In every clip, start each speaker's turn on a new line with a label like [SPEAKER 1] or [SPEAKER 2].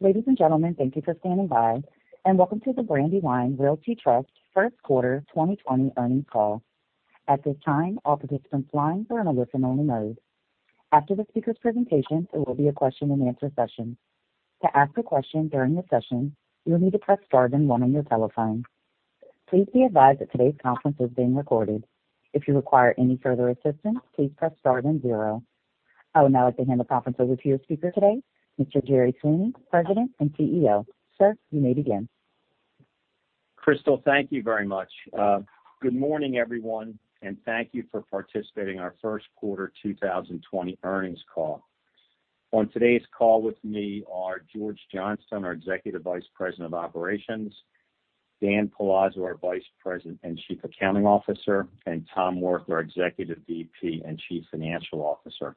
[SPEAKER 1] Ladies and gentlemen, thank you for standing by, and welcome to the Brandywine Realty Trust First Quarter 2020 earnings call. At this time, all participants' lines are in a listen-only mode. After the speaker's presentation, there will be a question and answer session. To ask a question during the session, you'll need to press star then one on your telephone. Please be advised that today's conference is being recorded. If you require any further assistance, please press star then zero. I would now like to hand the conference over to your speaker today, Mr. Jerry Sweeney, President and CEO. Sir, you may begin.
[SPEAKER 2] Crystal, thank you very much. Good morning, everyone, and thank you for participating in our first quarter 2020 earnings call. On today's call with me are George Johnstone, our Executive Vice President of Operations, Dan Palazzo, our Vice President and Chief Accounting Officer, and Tom Wirth, our Executive VP and Chief Financial Officer.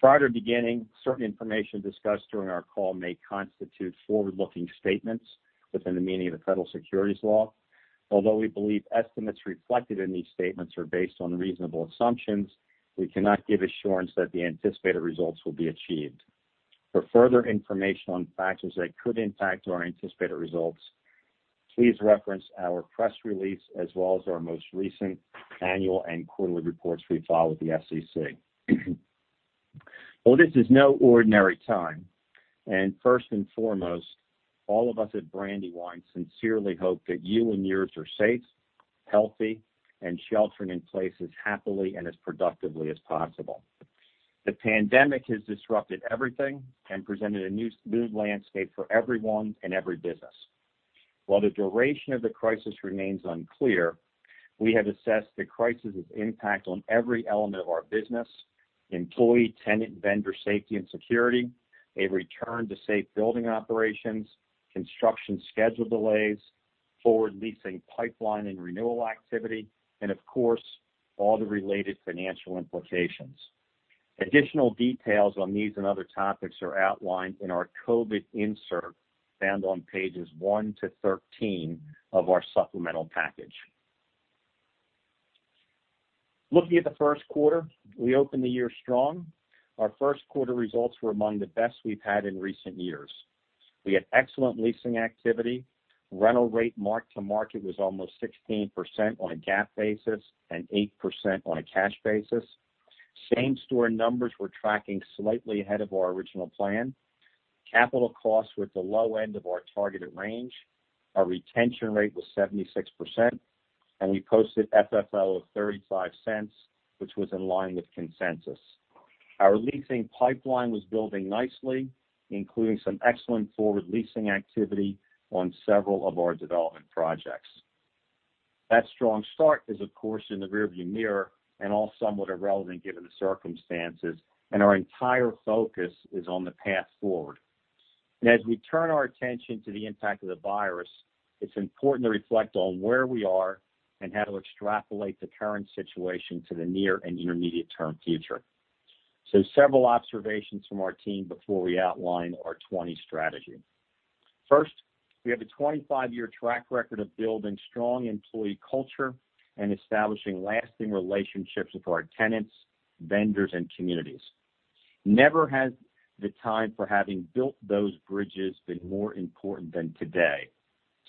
[SPEAKER 2] Prior to beginning, certain information discussed during our call may constitute forward-looking statements within the meaning of the federal securities law. Although we believe estimates reflected in these statements are based on reasonable assumptions, we cannot give assurance that the anticipated results will be achieved. For further information on factors that could impact our anticipated results, please reference our press release as well as our most recent annual and quarterly reports we file with the SEC. Well, this is no ordinary time. First and foremost, all of us at Brandywine sincerely hope that you and yours are safe, healthy, and sheltering in place as happily and as productively as possible. The pandemic has disrupted everything and presented a new landscape for everyone and every business. While the duration of the crisis remains unclear, we have assessed the crisis' impact on every element of our business, employee, tenant, vendor safety, and security, a return to safe building operations, construction schedule delays, forward leasing pipeline and renewal activity, and of course, all the related financial implications. Additional details on these and other topics are outlined in our COVID insert found on pages one to 13 of our supplemental package. Looking at the first quarter, we opened the year strong. Our first quarter results were among the best we've had in recent years. We had excellent leasing activity. Rental rate mark-to-market was almost 16% on a GAAP basis and 8% on a cash basis. Same-store numbers were tracking slightly ahead of our original plan. Capital costs were at the low end of our targeted range. Our retention rate was 76%, and we posted FFO of $0.35, which was in line with consensus. Our leasing pipeline was building nicely, including some excellent forward leasing activity on several of our development projects. That strong start is, of course, in the rearview mirror and all somewhat irrelevant given the circumstances, our entire focus is on the path forward. As we turn our attention to the impact of the virus, it's important to reflect on where we are and how to extrapolate the current situation to the near and intermediate-term future. Several observations from our team before we outline our 2020 strategy. We have a 25-year track record of building strong employee culture and establishing lasting relationships with our tenants, vendors, and communities. Never has the time for having built those bridges been more important than today.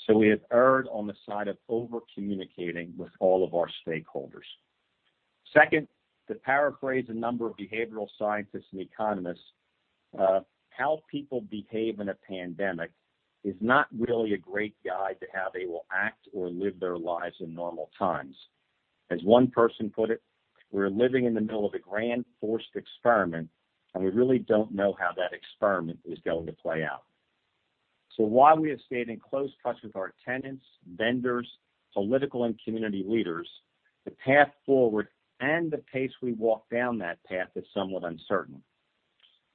[SPEAKER 2] We have erred on the side of over-communicating with all of our stakeholders. To paraphrase a number of behavioral scientists and economists, how people behave in a pandemic is not really a great guide to how they will act or live their lives in normal times. As one person put it, we're living in the middle of a grand forced experiment, and we really don't know how that experiment is going to play out. While we have stayed in close touch with our tenants, vendors, political and community leaders, the path forward and the pace we walk down that path is somewhat uncertain.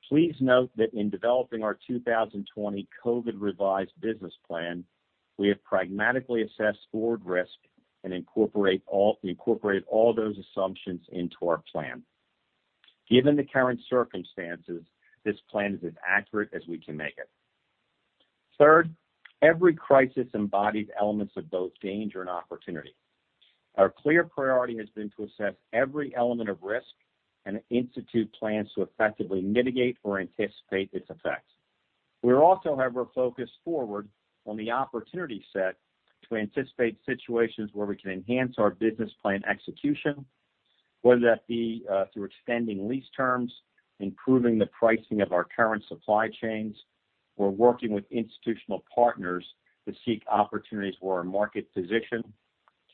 [SPEAKER 2] Please note that in developing our 2020 COVID revised business plan, we have pragmatically assessed forward risk and incorporate all those assumptions into our plan. Given the current circumstances, this plan is as accurate as we can make it. Third, every crisis embodies elements of both danger and opportunity. Our clear priority has been to assess every element of risk and institute plans to effectively mitigate or anticipate its effects. We are also, however, focused forward on the opportunity set to anticipate situations where we can enhance our business plan execution, whether that be through extending lease terms, improving the pricing of our current supply chains, or working with institutional partners to seek opportunities where our market position,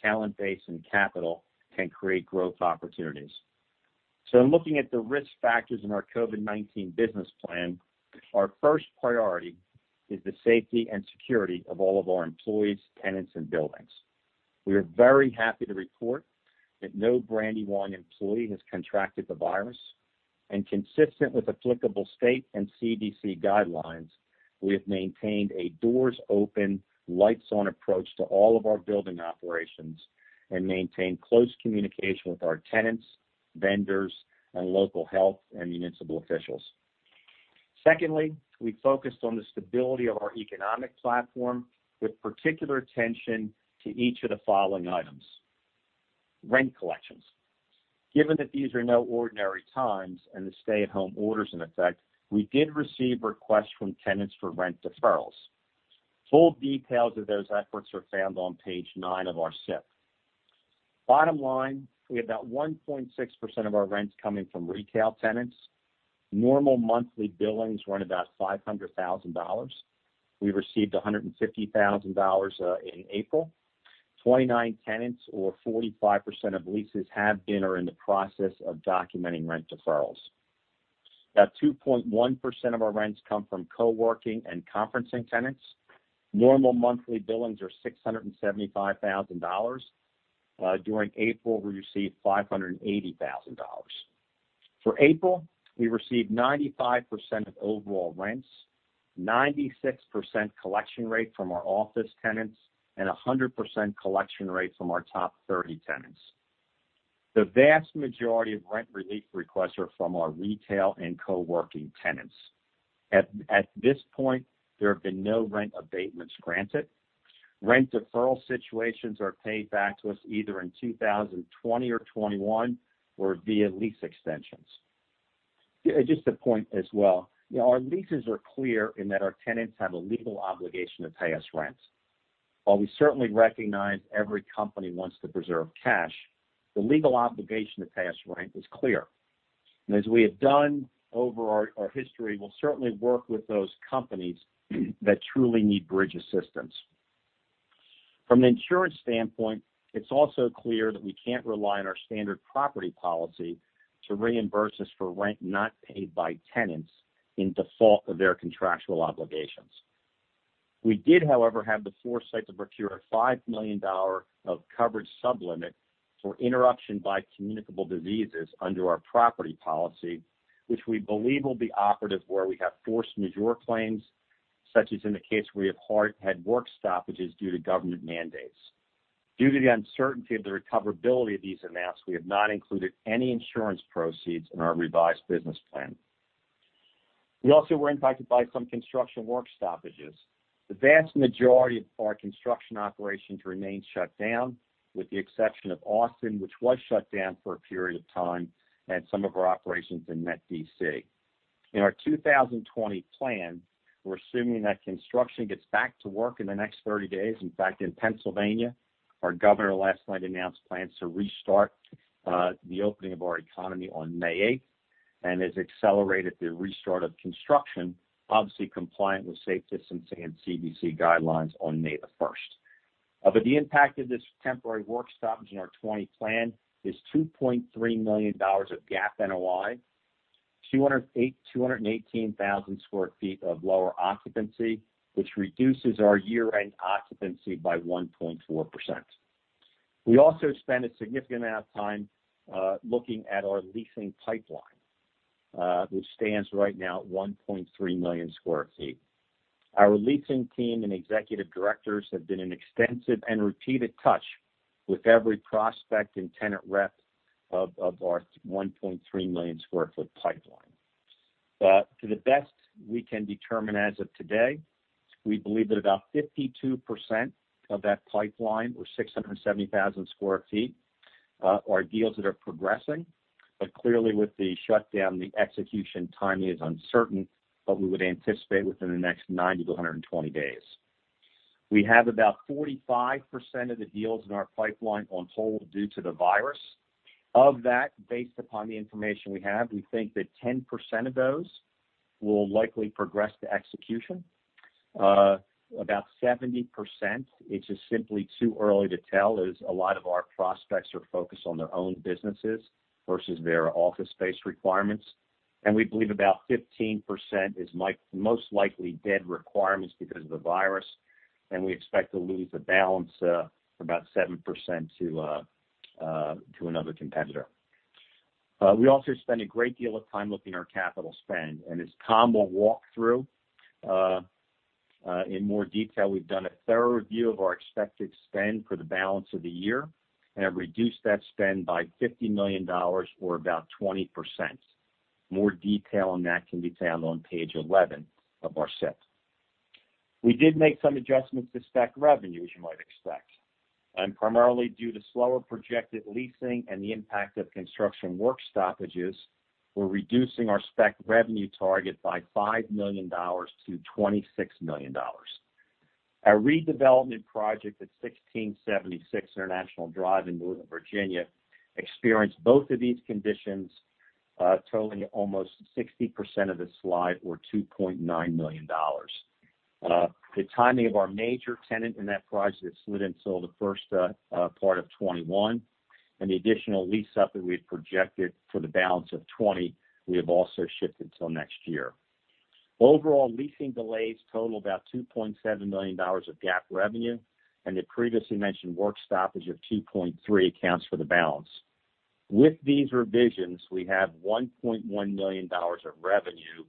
[SPEAKER 2] talent base, and capital can create growth opportunities. In looking at the risk factors in our COVID-19 business plan, our first priority is the safety and security of all of our employees, tenants, and buildings. We are very happy to report that no Brandywine employee has contracted the virus, and consistent with applicable state and CDC guidelines, we have maintained a doors-open, lights-on approach to all of our building operations and maintained close communication with our tenants, vendors, and local health and municipal officials. Secondly, we focused on the stability of our economic platform with particular attention to each of the following items. Rent collections. Given that these are no ordinary times and the stay-at-home order is in effect, we did receive requests from tenants for rent deferrals. Full details of those efforts are found on page nine of our SIP. Bottom line, we have about 1.6% of our rents coming from retail tenants. Normal monthly billings run about $500,000. We received $150,000 in April. 29 tenants or 45% of leases have been or are in the process of documenting rent deferrals. About 2.1% of our rents come from co-working and conferencing tenants. Normal monthly billings are $675,000. During April, we received $580,000. For April, we received 95% of overall rents, 96% collection rate from our office tenants, and 100% collection rate from our top 30 tenants. The vast majority of rent relief requests are from our retail and co-working tenants. At this point, there have been no rent abatements granted. Rent deferral situations are paid back to us either in 2020 or 2021 or via lease extensions. Just a point as well. Our leases are clear in that our tenants have a legal obligation to pay us rent. While we certainly recognize every company wants to preserve cash, the legal obligation to pay us rent is clear. As we have done over our history, we'll certainly work with those companies that truly need bridge assistance. From an insurance standpoint, it's also clear that we can't rely on our standard property policy to reimburse us for rent not paid by tenants in default of their contractual obligations. We did, however, have the foresight to procure a $5 million of coverage sub-limit for interruption by communicable diseases under our property policy, which we believe will be operative where we have force majeure claims, such as in the case where you had work stoppages due to government mandates. Due to the uncertainty of the recoverability of these amounts, we have not included any insurance proceeds in our revised business plan. We also were impacted by some construction work stoppages. The vast majority of our construction operations remain shut down, with the exception of Austin, which was shut down for a period of time, and some of our operations in Met D.C. In our 2020 plan, we're assuming that construction gets back to work in the next 30 days. In fact, in Pennsylvania, our governor last night announced plans to restart the opening of our economy on May 8th and has accelerated the restart of construction, obviously compliant with safe distancing and CDC guidelines on May the 1st. The impact of this temporary work stoppage in our 2020 plan is $2.3 million of GAAP NOI, 218,000 square feet of lower occupancy, which reduces our year-end occupancy by 1.4%. We also spent a significant amount of time looking at our leasing pipeline, which stands right now at 1.3 million square feet. Our leasing team and executive directors have been in extensive and repeated touch with every prospect and tenant rep of our 1.3 million square foot pipeline. To the best we can determine as of today, we believe that about 52% of that pipeline, or 670,000 square feet, are deals that are progressing. Clearly with the shutdown, the execution timing is uncertain, but we would anticipate within the next 90-120 days. We have about 45% of the deals in our pipeline on hold due to the virus. Of that, based upon the information we have, we think that 10% of those will likely progress to execution. About 70%, it's just simply too early to tell, as a lot of our prospects are focused on their own businesses versus their office space requirements. We believe about 15% is most likely dead requirements because of the virus, and we expect to lose the balance of about 7% to another competitor. We also spent a great deal of time looking at our capital spend. As Tom will walk through in more detail, we've done a thorough review of our expected spend for the balance of the year and have reduced that spend by $50 million or about 20%. More detail on that can be found on page 11 of our SUP. We did make some adjustments to spec revenue, as you might expect. Primarily due to slower projected leasing and the impact of construction work stoppages, we're reducing our spec revenue target by $5 million to $26 million. Our redevelopment project at 1676 International Drive in Northern Virginia experienced both of these conditions, totaling almost 60% of the slide or $2.9 million. The timing of our major tenant in that project slid until the first part of 2021, and the additional lease-up that we had projected for the balance of 2020, we have also shifted till next year. Overall, leasing delays total about $2.7 million of GAAP revenue, and the previously mentioned work stoppage of $2.3 million accounts for the balance. With these revisions, we have $1.1 million of revenue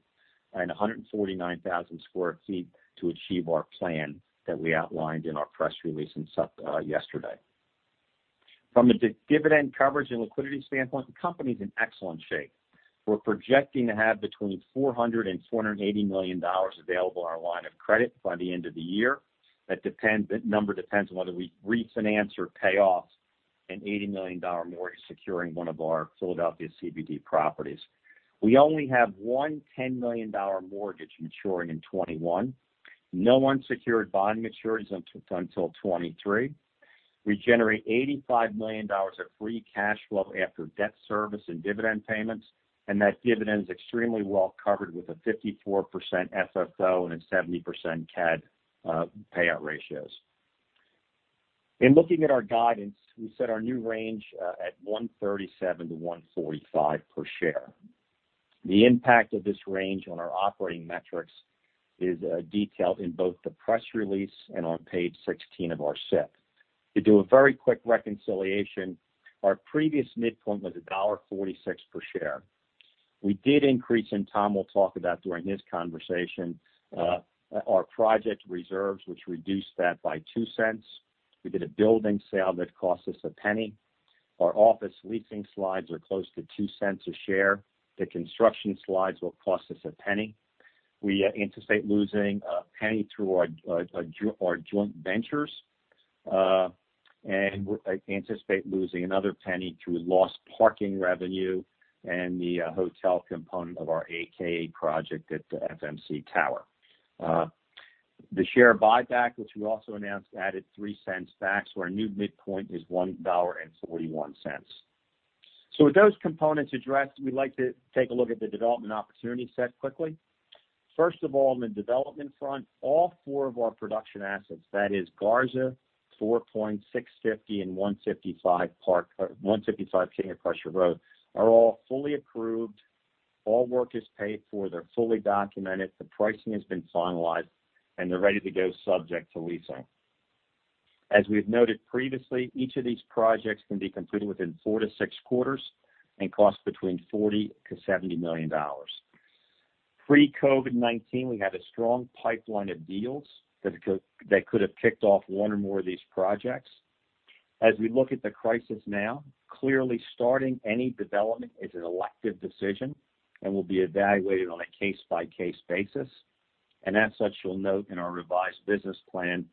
[SPEAKER 2] and 149,000 square feet to achieve our plan that we outlined in our press release yesterday. From a dividend coverage and liquidity standpoint, the company's in excellent shape. We're projecting to have between $400 million and $480 million available in our line of credit by the end of the year. That number depends on whether we refinance or pay off an $80 million mortgage securing one of our Philadelphia CBD properties. We only have one $10 million mortgage maturing in 2021. No unsecured bond matures until 2023. We generate $85 million of free cash flow after debt service and dividend payments. That dividend is extremely well covered with a 54% FFO and a 70% CAD payout ratios. In looking at our guidance, we set our new range at $137-$145 per share. The impact of this range on our operating metrics is detailed in both the press release and on page 16 of our SUP. To do a very quick reconciliation, our previous midpoint was $1.46 per share. We did increase, and Tom will talk about during his conversation, our project reserves, which reduced that by $0.02. We did a building sale that cost us $0.01. Our office leasing slides are close to $0.02 a share. The construction slides will cost us $0.01. We anticipate losing $0.01 through our joint ventures. We anticipate losing another $0.01 through lost parking revenue and the hotel component of our AKA project at the FMC Tower. The share buyback, which we also announced, added $0.03 back. Our new midpoint is $1.41. With those components addressed, we'd like to take a look at the development opportunity set quickly. First of all, on the development front, all four of our production assets, that is Garza, Four Point, 650, and 155 King of Prussia Road, are all fully approved. All work is paid for. They're fully documented. The pricing has been finalized. They're ready to go subject to leasing. As we've noted previously, each of these projects can be completed within four to six quarters and cost between $40 million-$70 million. Pre-COVID-19, we had a strong pipeline of deals that could have kicked off one or more of these projects. As we look at the crisis now, clearly starting any development is an elective decision and will be evaluated on a case-by-case basis. As such, you'll note in our revised business plan,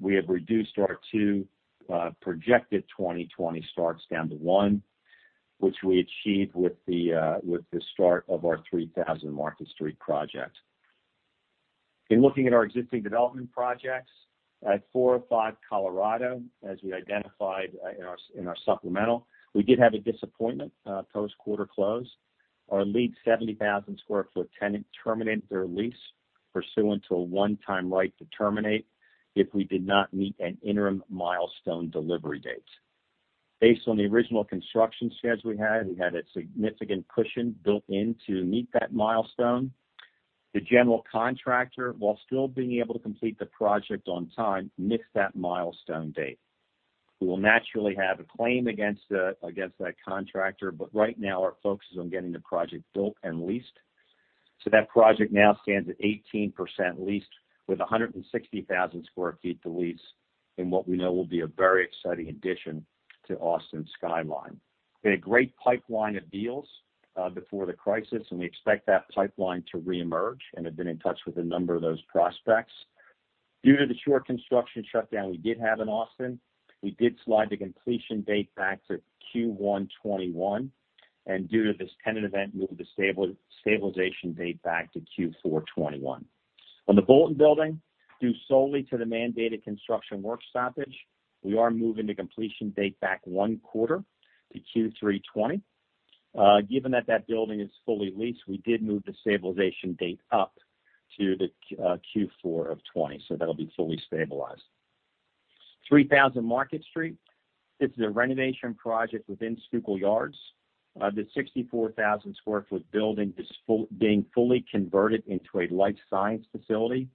[SPEAKER 2] we have reduced our two projected 2020 starts down to one, which we achieved with the start of our 3000 Market Street project. In looking at our existing development projects at 405 Colorado, as we identified in our supplemental, we did have a disappointment post quarter close. Our lead 70,000 sq ft tenant terminated their lease pursuant to a one-time right to terminate if we did not meet an interim milestone delivery date. Based on the original construction schedule we had, we had a significant cushion built in to meet that milestone. The general contractor, while still being able to complete the project on time, missed that milestone date. We will naturally have a claim against that contractor, but right now our focus is on getting the project built and leased. That project now stands at 18% leased with 160,000 square feet to lease in what we know will be a very exciting addition to Austin's skyline. We had a great pipeline of deals before the crisis, and we expect that pipeline to reemerge and have been in touch with a number of those prospects. Due to the short construction shutdown we did have in Austin, we did slide the completion date back to Q1 2021, and due to this tenant event, moved the stabilization date back to Q4 2021. On the Barton building, due solely to the mandated construction work stoppage, we are moving the completion date back one quarter to Q3 2020. Given that building is fully leased, we did move the stabilization date up to the Q4 2020, so that'll be fully stabilized. 3000 Market Street. This is a renovation project within Schuylkill Yards. The 64,000 sq ft building is being fully converted into a life science facility.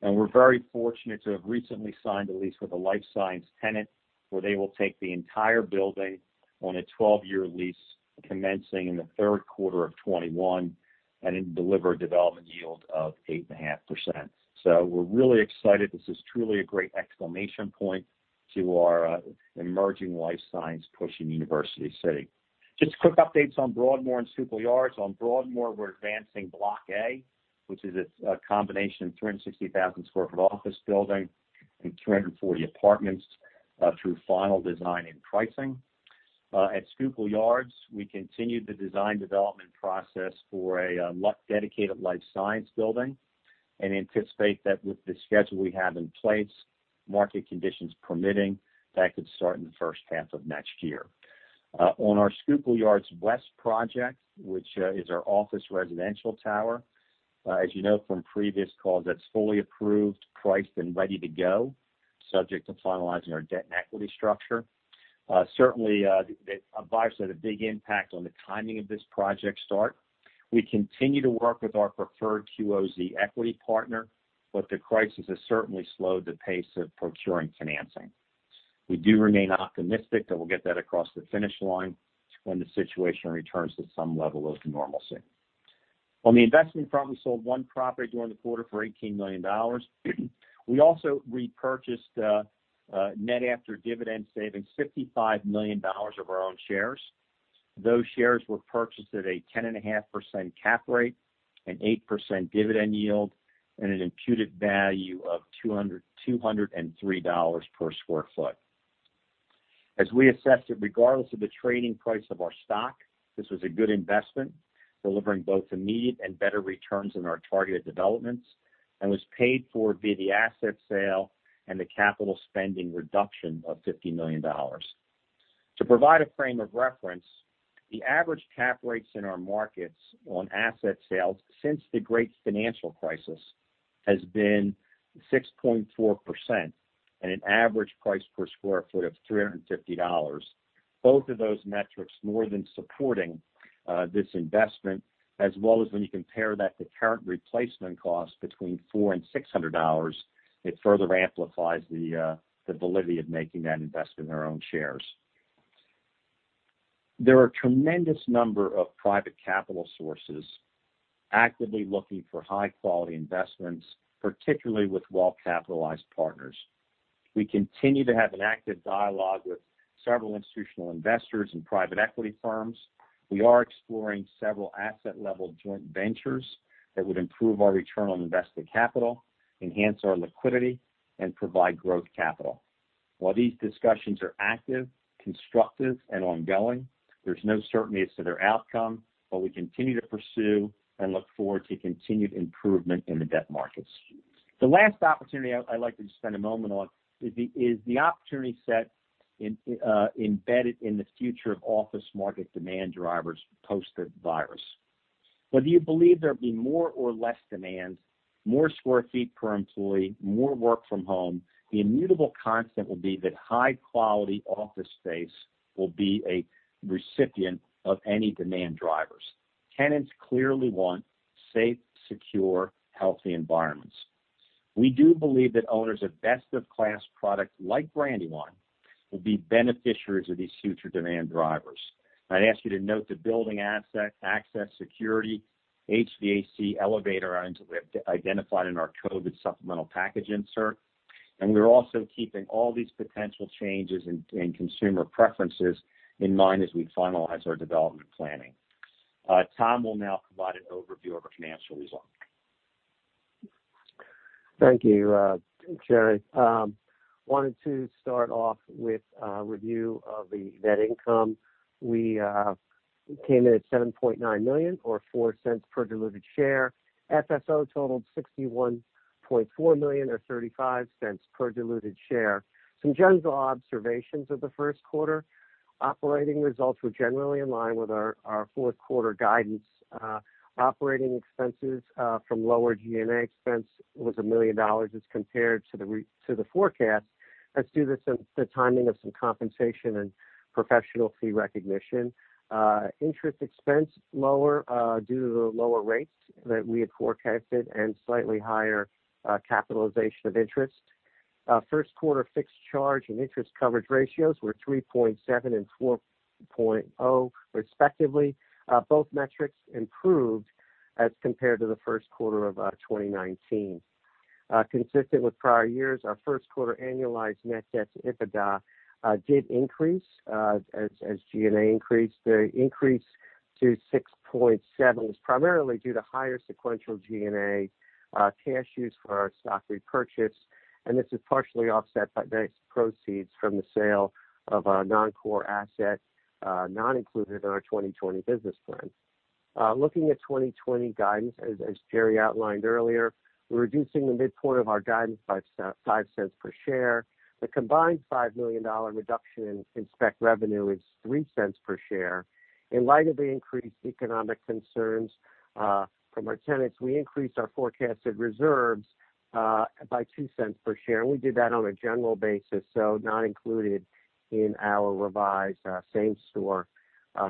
[SPEAKER 2] We're very fortunate to have recently signed a lease with a life science tenant where they will take the entire building on a 12-year lease commencing in the third quarter of 2021 and deliver a development yield of 8.5%. We're really excited. This is truly a great exclamation point to our emerging life science push in University City. Just quick updates on Broadmoor and Schuylkill Yards. On Broadmoor, we're advancing Block A, which is a combination of 360,000 square foot office building and 340 apartments through final design and pricing. At Schuylkill Yards, we continued the design development process for a dedicated life science building and anticipate that with the schedule we have in place, market conditions permitting, that could start in the first half of next year. On our Schuylkill Yards West project, which is our office residential tower as you know from previous calls, that's fully approved, priced, and ready to go, subject to finalizing our debt and equity structure. Certainly, the virus had a big impact on the timing of this project start. We continue to work with our preferred QOZ equity partner, but the crisis has certainly slowed the pace of procuring financing. We do remain optimistic that we'll get that across the finish line when the situation returns to some level of normalcy. On the investment front, we sold one property during the quarter for $18 million. We also repurchased net after dividend savings, $55 million of our own shares. Those shares were purchased at a 10.5% cap rate, an 8% dividend yield, and an imputed value of $203 per square foot. As we assessed it, regardless of the trading price of our stock, this was a good investment, delivering both immediate and better returns in our targeted developments, and was paid for via the asset sale and the capital spending reduction of $50 million. To provide a frame of reference, the average cap rates in our markets on asset sales since the Great Financial Crisis has been 6.4% and an average price per square foot of $350. Both of those metrics more than supporting this investment, as well as when you compare that to current replacement costs between $400 and $600, it further amplifies the validity of making that investment in our own shares. There are a tremendous number of private capital sources actively looking for high-quality investments, particularly with well-capitalized partners. We continue to have an active dialogue with several institutional investors and private equity firms. We are exploring several asset-level joint ventures that would improve our return on invested capital, enhance our liquidity, and provide growth capital. While these discussions are active, constructive, and ongoing, there's no certainty as to their outcome. We continue to pursue and look forward to continued improvement in the debt markets. The last opportunity I'd like to just spend a moment on is the opportunity set embedded in the future of office market demand drivers post the virus. Whether you believe there'll be more or less demand, more square feet per employee, more work from home, the immutable constant will be that high-quality office space will be a recipient of any demand drivers. Tenants clearly want safe, secure, healthy environments. We do believe that owners of best of class products like Brandywine will be beneficiaries of these future demand drivers. I'd ask you to note the building access security, HVAC elevator items that we have identified in our COVID supplemental package insert. We're also keeping all these potential changes in consumer preferences in mind as we finalize our development planning. Tom will now provide an overview of our financial results.
[SPEAKER 3] Thank you, Jerry. We wanted to start off with a review of the net income. We came in at $7.9 million, or $0.04 per diluted share. FFO totaled $61.4 million, or $0.35 per diluted share. Some general observations of the first quarter. Operating results were generally in line with our fourth quarter guidance. Operating expenses from lower G&A expense was $1 million as compared to the forecast. That's due to some timing of some compensation and professional fee recognition. Interest expense lower due to the lower rates that we had forecasted and slightly higher capitalization of interest. First quarter fixed charge and interest coverage ratios were 3.7 and 4.0 respectively. Both metrics improved as compared to the first quarter of 2019. Consistent with prior years, our first quarter annualized net debt to EBITDA did increase as G&A increased. The increase to 6.7 was primarily due to higher sequential G&A cash used for our stock repurchase. This is partially offset by the proceeds from the sale of a non-core asset not included in our 2020 business plan. Looking at 2020 guidance, as Jerry outlined earlier, we're reducing the midpoint of our guidance by $0.05 per share. The combined $5 million reduction in spec revenue is $0.03 per share. In light of the increased economic concerns from our tenants, we increased our forecasted reserves by $0.02 per share. We did that on a general basis, so not included in our revised same store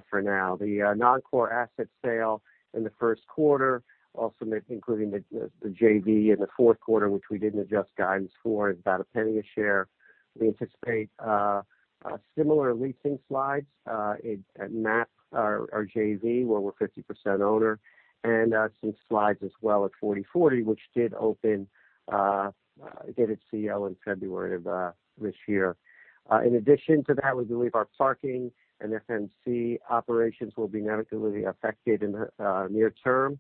[SPEAKER 3] for now. The non-core asset sale in the first quarter, also including the JV in the fourth quarter, which we didn't adjust guidance for, is about $0.01 a share. We anticipate similar leasing slides at MAP, our JV, where we're 50% owner, and some slides as well at 4040 Wilson, which did open, did its CO in February of this year. In addition to that, we believe our parking and FMC operations will be negatively affected in the near term,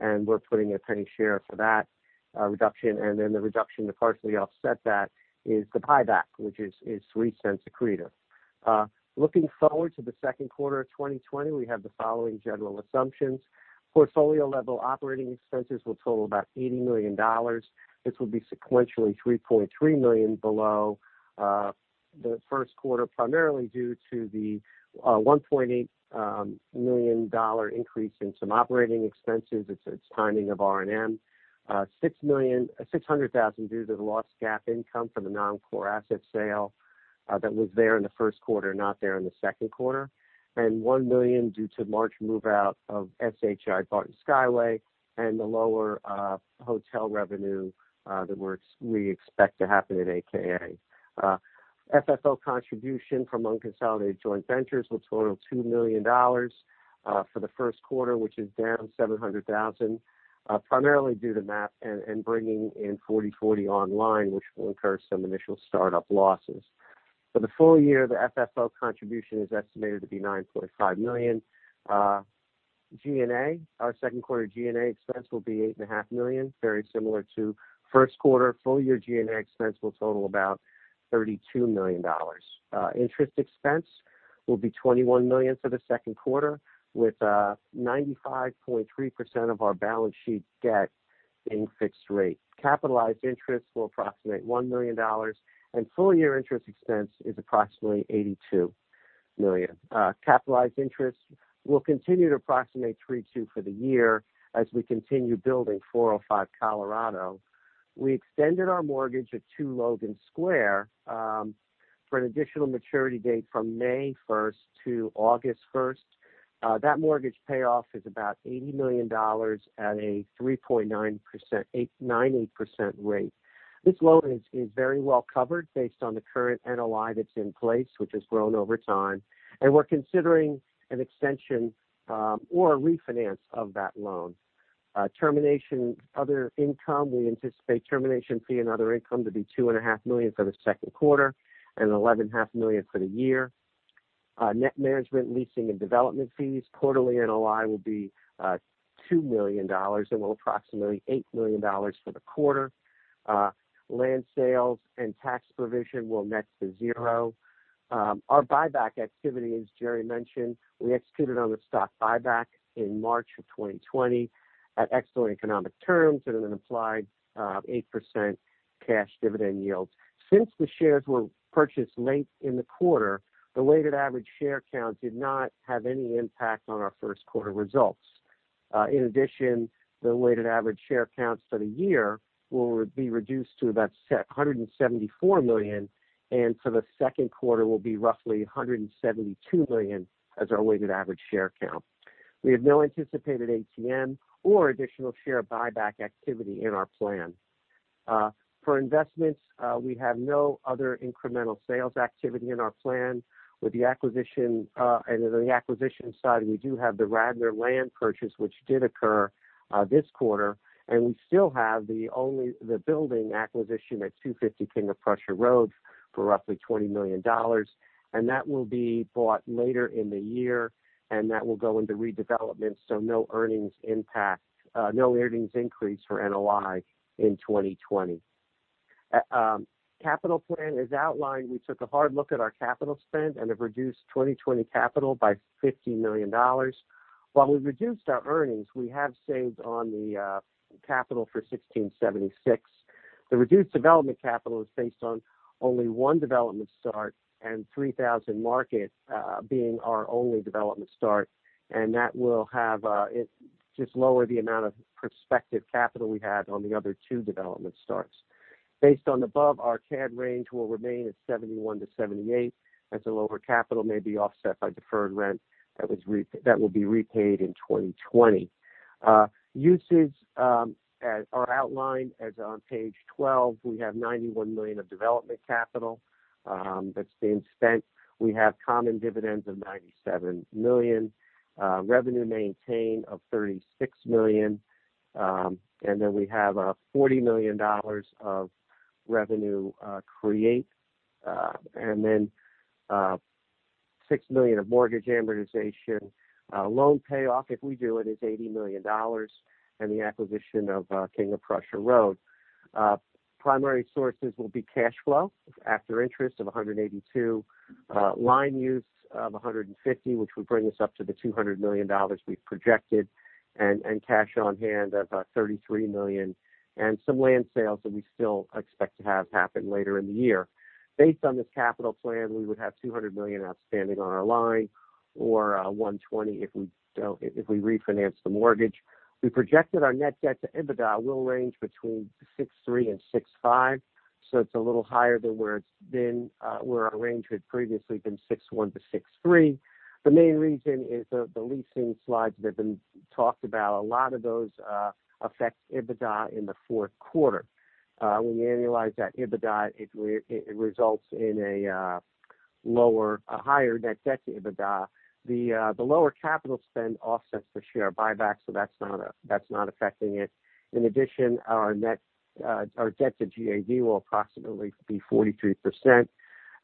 [SPEAKER 3] and we're putting a $0.01 share for that reduction. The reduction to partially offset that is the buyback, which is $0.03 accretive. Looking forward to the second quarter of 2020, we have the following general assumptions. Portfolio level operating expenses will total about $80 million. This will be sequentially $3.3 million below the first quarter, primarily due to the $1.8 million increase in some operating expenses. It's timing of R&M. $600,000 due to the lost GAAP income from the non-core asset sale that was there in the first quarter, not there in the second quarter. One million due to large move-out of SHI Barton Skyway and the lower hotel revenue that we expect to happen at AKA. FFO contribution from unconsolidated joint ventures will total $2 million for the first quarter, which is down $700,000, primarily due to MAP and bringing in 4040 online, which will incur some initial startup losses. For the full year, the FFO contribution is estimated to be $9.5 million. G&A. Our second quarter G&A expense will be $8.5 million, very similar to first quarter. Full year G&A expense will total about $32 million. Interest expense will be $21 million for the second quarter with 95.3% of our balance sheet debt being fixed rate. Capitalized interest will approximate $1 million, and full-year interest expense is approximately $82 million. Capitalized interest will continue to approximate $3.2 for the year as we continue building 405 Colorado. We extended our mortgage at 2 Logan Square for an additional maturity date from May 1st to August 1st. That mortgage payoff is about $80 million at a 3.9% rate. This loan is very well covered based on the current NOI that's in place, which has grown over time, and we're considering an extension or a refinance of that loan. Termination other income, we anticipate termination fee and other income to be $2.5 million for the second quarter and $11.5 million for the year. Net management leasing and development fees quarterly NOI will be $2 million, and we'll approximate $8 million for the quarter. Land sales and tax provision will net to zero. Our buyback activity, as Jerry mentioned, we executed on the stock buyback in March of 2020 at excellent economic terms at an implied 8% cash dividend yield. Since the shares were purchased late in the quarter, the weighted average share count did not have any impact on our first quarter results. The weighted average share counts for the year will be reduced to about 174 million, and for the second quarter will be roughly 172 million as our weighted average share count. We have no anticipated ATM or additional share buyback activity in our plan. For investments, we have no other incremental sales activity in our plan. With the acquisition side, we do have the Radnor land purchase, which did occur this quarter, and we still have the building acquisition at 250 King of Prussia Road for roughly $20 million. That will be bought later in the year, and that will go into redevelopment, so no earnings increase for NOI in 2020. Capital plan is outlined. We took a hard look at our capital spend and have reduced 2020 capital by $50 million. While we reduced our earnings, we have saved on the capital for 1676. The reduced development capital is based on only one development start and 3000 Market being our only development start, and that will just lower the amount of prospective capital we had on the other two development starts. Based on the above, our CAD range will remain at $71 million-$78 million, as the lower capital may be offset by deferred rent that will be repaid in 2020. Uses are outlined as on page 12. We have $91 million of development capital that's being spent. We have common dividends of $97 million, revenue maintain of $36 million, and then we have $40 million of revenue create, and then $6 million of mortgage amortization. Loan payoff, if we do it, is $80 million, and the acquisition of King of Prussia Road. Primary sources will be cash flow after interest of $182, line use of $150, which would bring us up to the $200 million we've projected, and cash on hand of $33 million, and some land sales that we still expect to have happen later in the year. Based on this capital plan, we would have $200 million outstanding on our line or $120 if we refinance the mortgage. We projected our net debt to EBITDA will range between 6.3 and 6.5, so it's a little higher than where our range had previously been, 6.1 to 6.3. The main reason is the leasing slides that Jerry talked about. A lot of those affect EBITDA in the fourth quarter. When you annualize that EBITDA, it results in a higher net debt to EBITDA. The lower capital spend offsets the share buyback, that's not affecting it. In addition, our debt to GAV will approximately be 43%.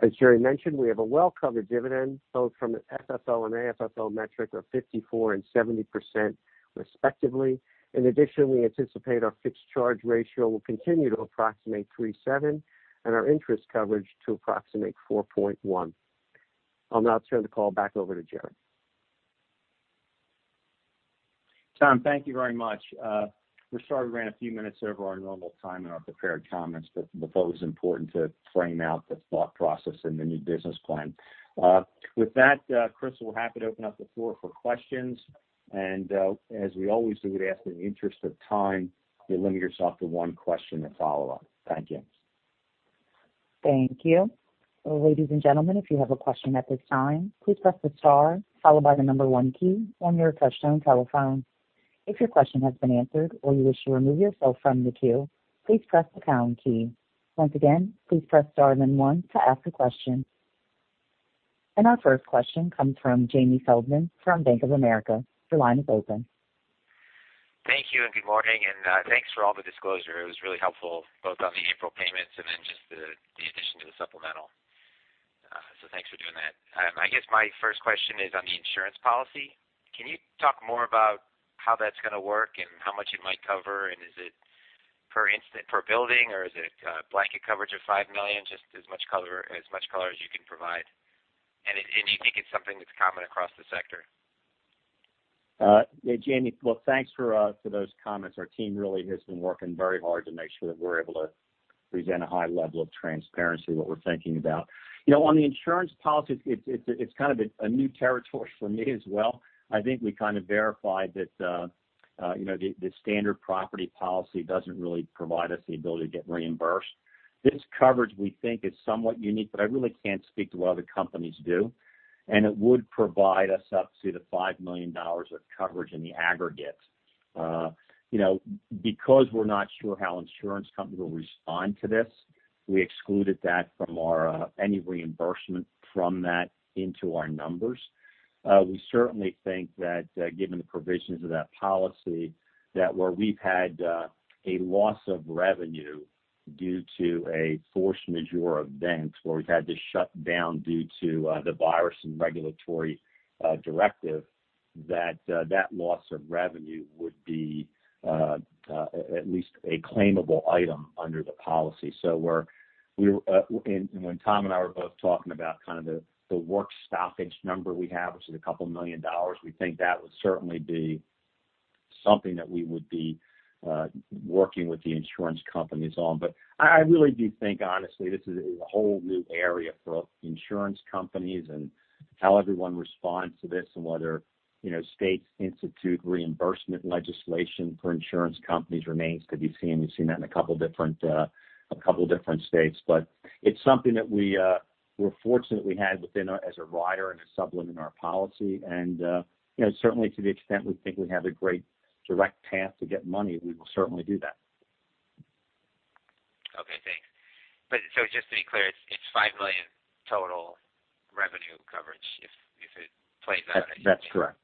[SPEAKER 3] As Jerry mentioned, we have a well-covered dividend, both from an FFO and AFFO metric of 54% and 70% respectively. In addition, we anticipate our fixed charge ratio will continue to approximate 3.7, and our interest coverage to approximate 4.1. I'll now turn the call back over to Jerry.
[SPEAKER 2] Tom, thank you very much. We're sorry we ran a few minutes over our normal time in our prepared comments. We thought it was important to frame out the thought process and the new business plan. With that, Crystal, we're happy to open up the floor for questions. As we always do, we'd ask in the interest of time, you limit yourself to one question and follow-up. Thank you.
[SPEAKER 1] Thank you. Ladies and gentlemen, if you have a question at this time, please press the star followed by the number one key on your touch-tone telephone. If your question has been answered or you wish to remove yourself from the queue, please press the pound key. Once again, please press star then one to ask a question. Our first question comes from Jamie Feldman from Bank of America. Your line is open.
[SPEAKER 4] Thank you. Good morning. Thanks for all the disclosure. It was really helpful, both on the April payments and then just the addition to the supplemental. Thanks for doing that. I guess my first question is on the insurance policy. Can you talk more about how that's going to work and how much it might cover? Is it per instance per building, or is it a blanket coverage of $5 million? Just as much color as you can provide. Do you think it's something that's common across the sector?
[SPEAKER 2] Yeah, Jamie. Well, thanks for those comments. Our team really has been working very hard to make sure that we're able to present a high level of transparency of what we're thinking about. On the insurance policy, it's kind of a new territory for me as well. I think we kind of verified that the standard property policy doesn't really provide us the ability to get reimbursed. This coverage, we think, is somewhat unique, but I really can't speak to what other companies do. It would provide us up to the $5 million of coverage in the aggregate. Because we're not sure how insurance companies will respond to this, we excluded any reimbursement from that into our numbers. We certainly think that, given the provisions of that policy, that where we've had a loss of revenue due to a force majeure event, where we've had to shut down due to the virus and regulatory directive, that that loss of revenue would be at least a claimable item under the policy. When Tom and I were both talking about kind of the work stoppage number we have, which is a couple million dollars, we think that would certainly be something that we would be working with the insurance companies on. I really do think, honestly, this is a whole new area for insurance companies and how everyone responds to this and whether states institute reimbursement legislation for insurance companies remains to be seen. We've seen that in a couple different states. It's something that we're fortunate we had within as a rider and a supplement in our policy. Certainly to the extent we think we have a great direct path to get money, we will certainly do that.
[SPEAKER 4] Okay, thanks. Just to be clear, it's $5 million total revenue coverage if it plays out.
[SPEAKER 2] That's correct.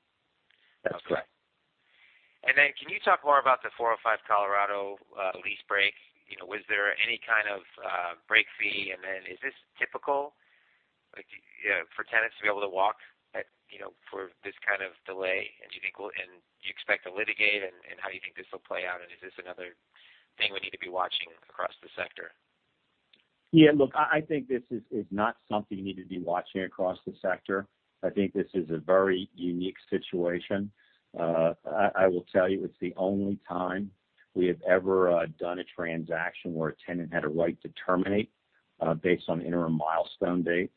[SPEAKER 4] Okay. Can you talk more about the 405 Colorado lease break? Was there any kind of break fee? Is this typical for tenants to be able to walk for this kind of delay? Do you expect to litigate, and how do you think this will play out? Is this another thing we need to be watching across the sector?
[SPEAKER 2] Yeah, look, I think this is not something you need to be watching across the sector. I think this is a very unique situation. I will tell you it's the only time we have ever done a transaction where a tenant had a right to terminate based on interim milestone date.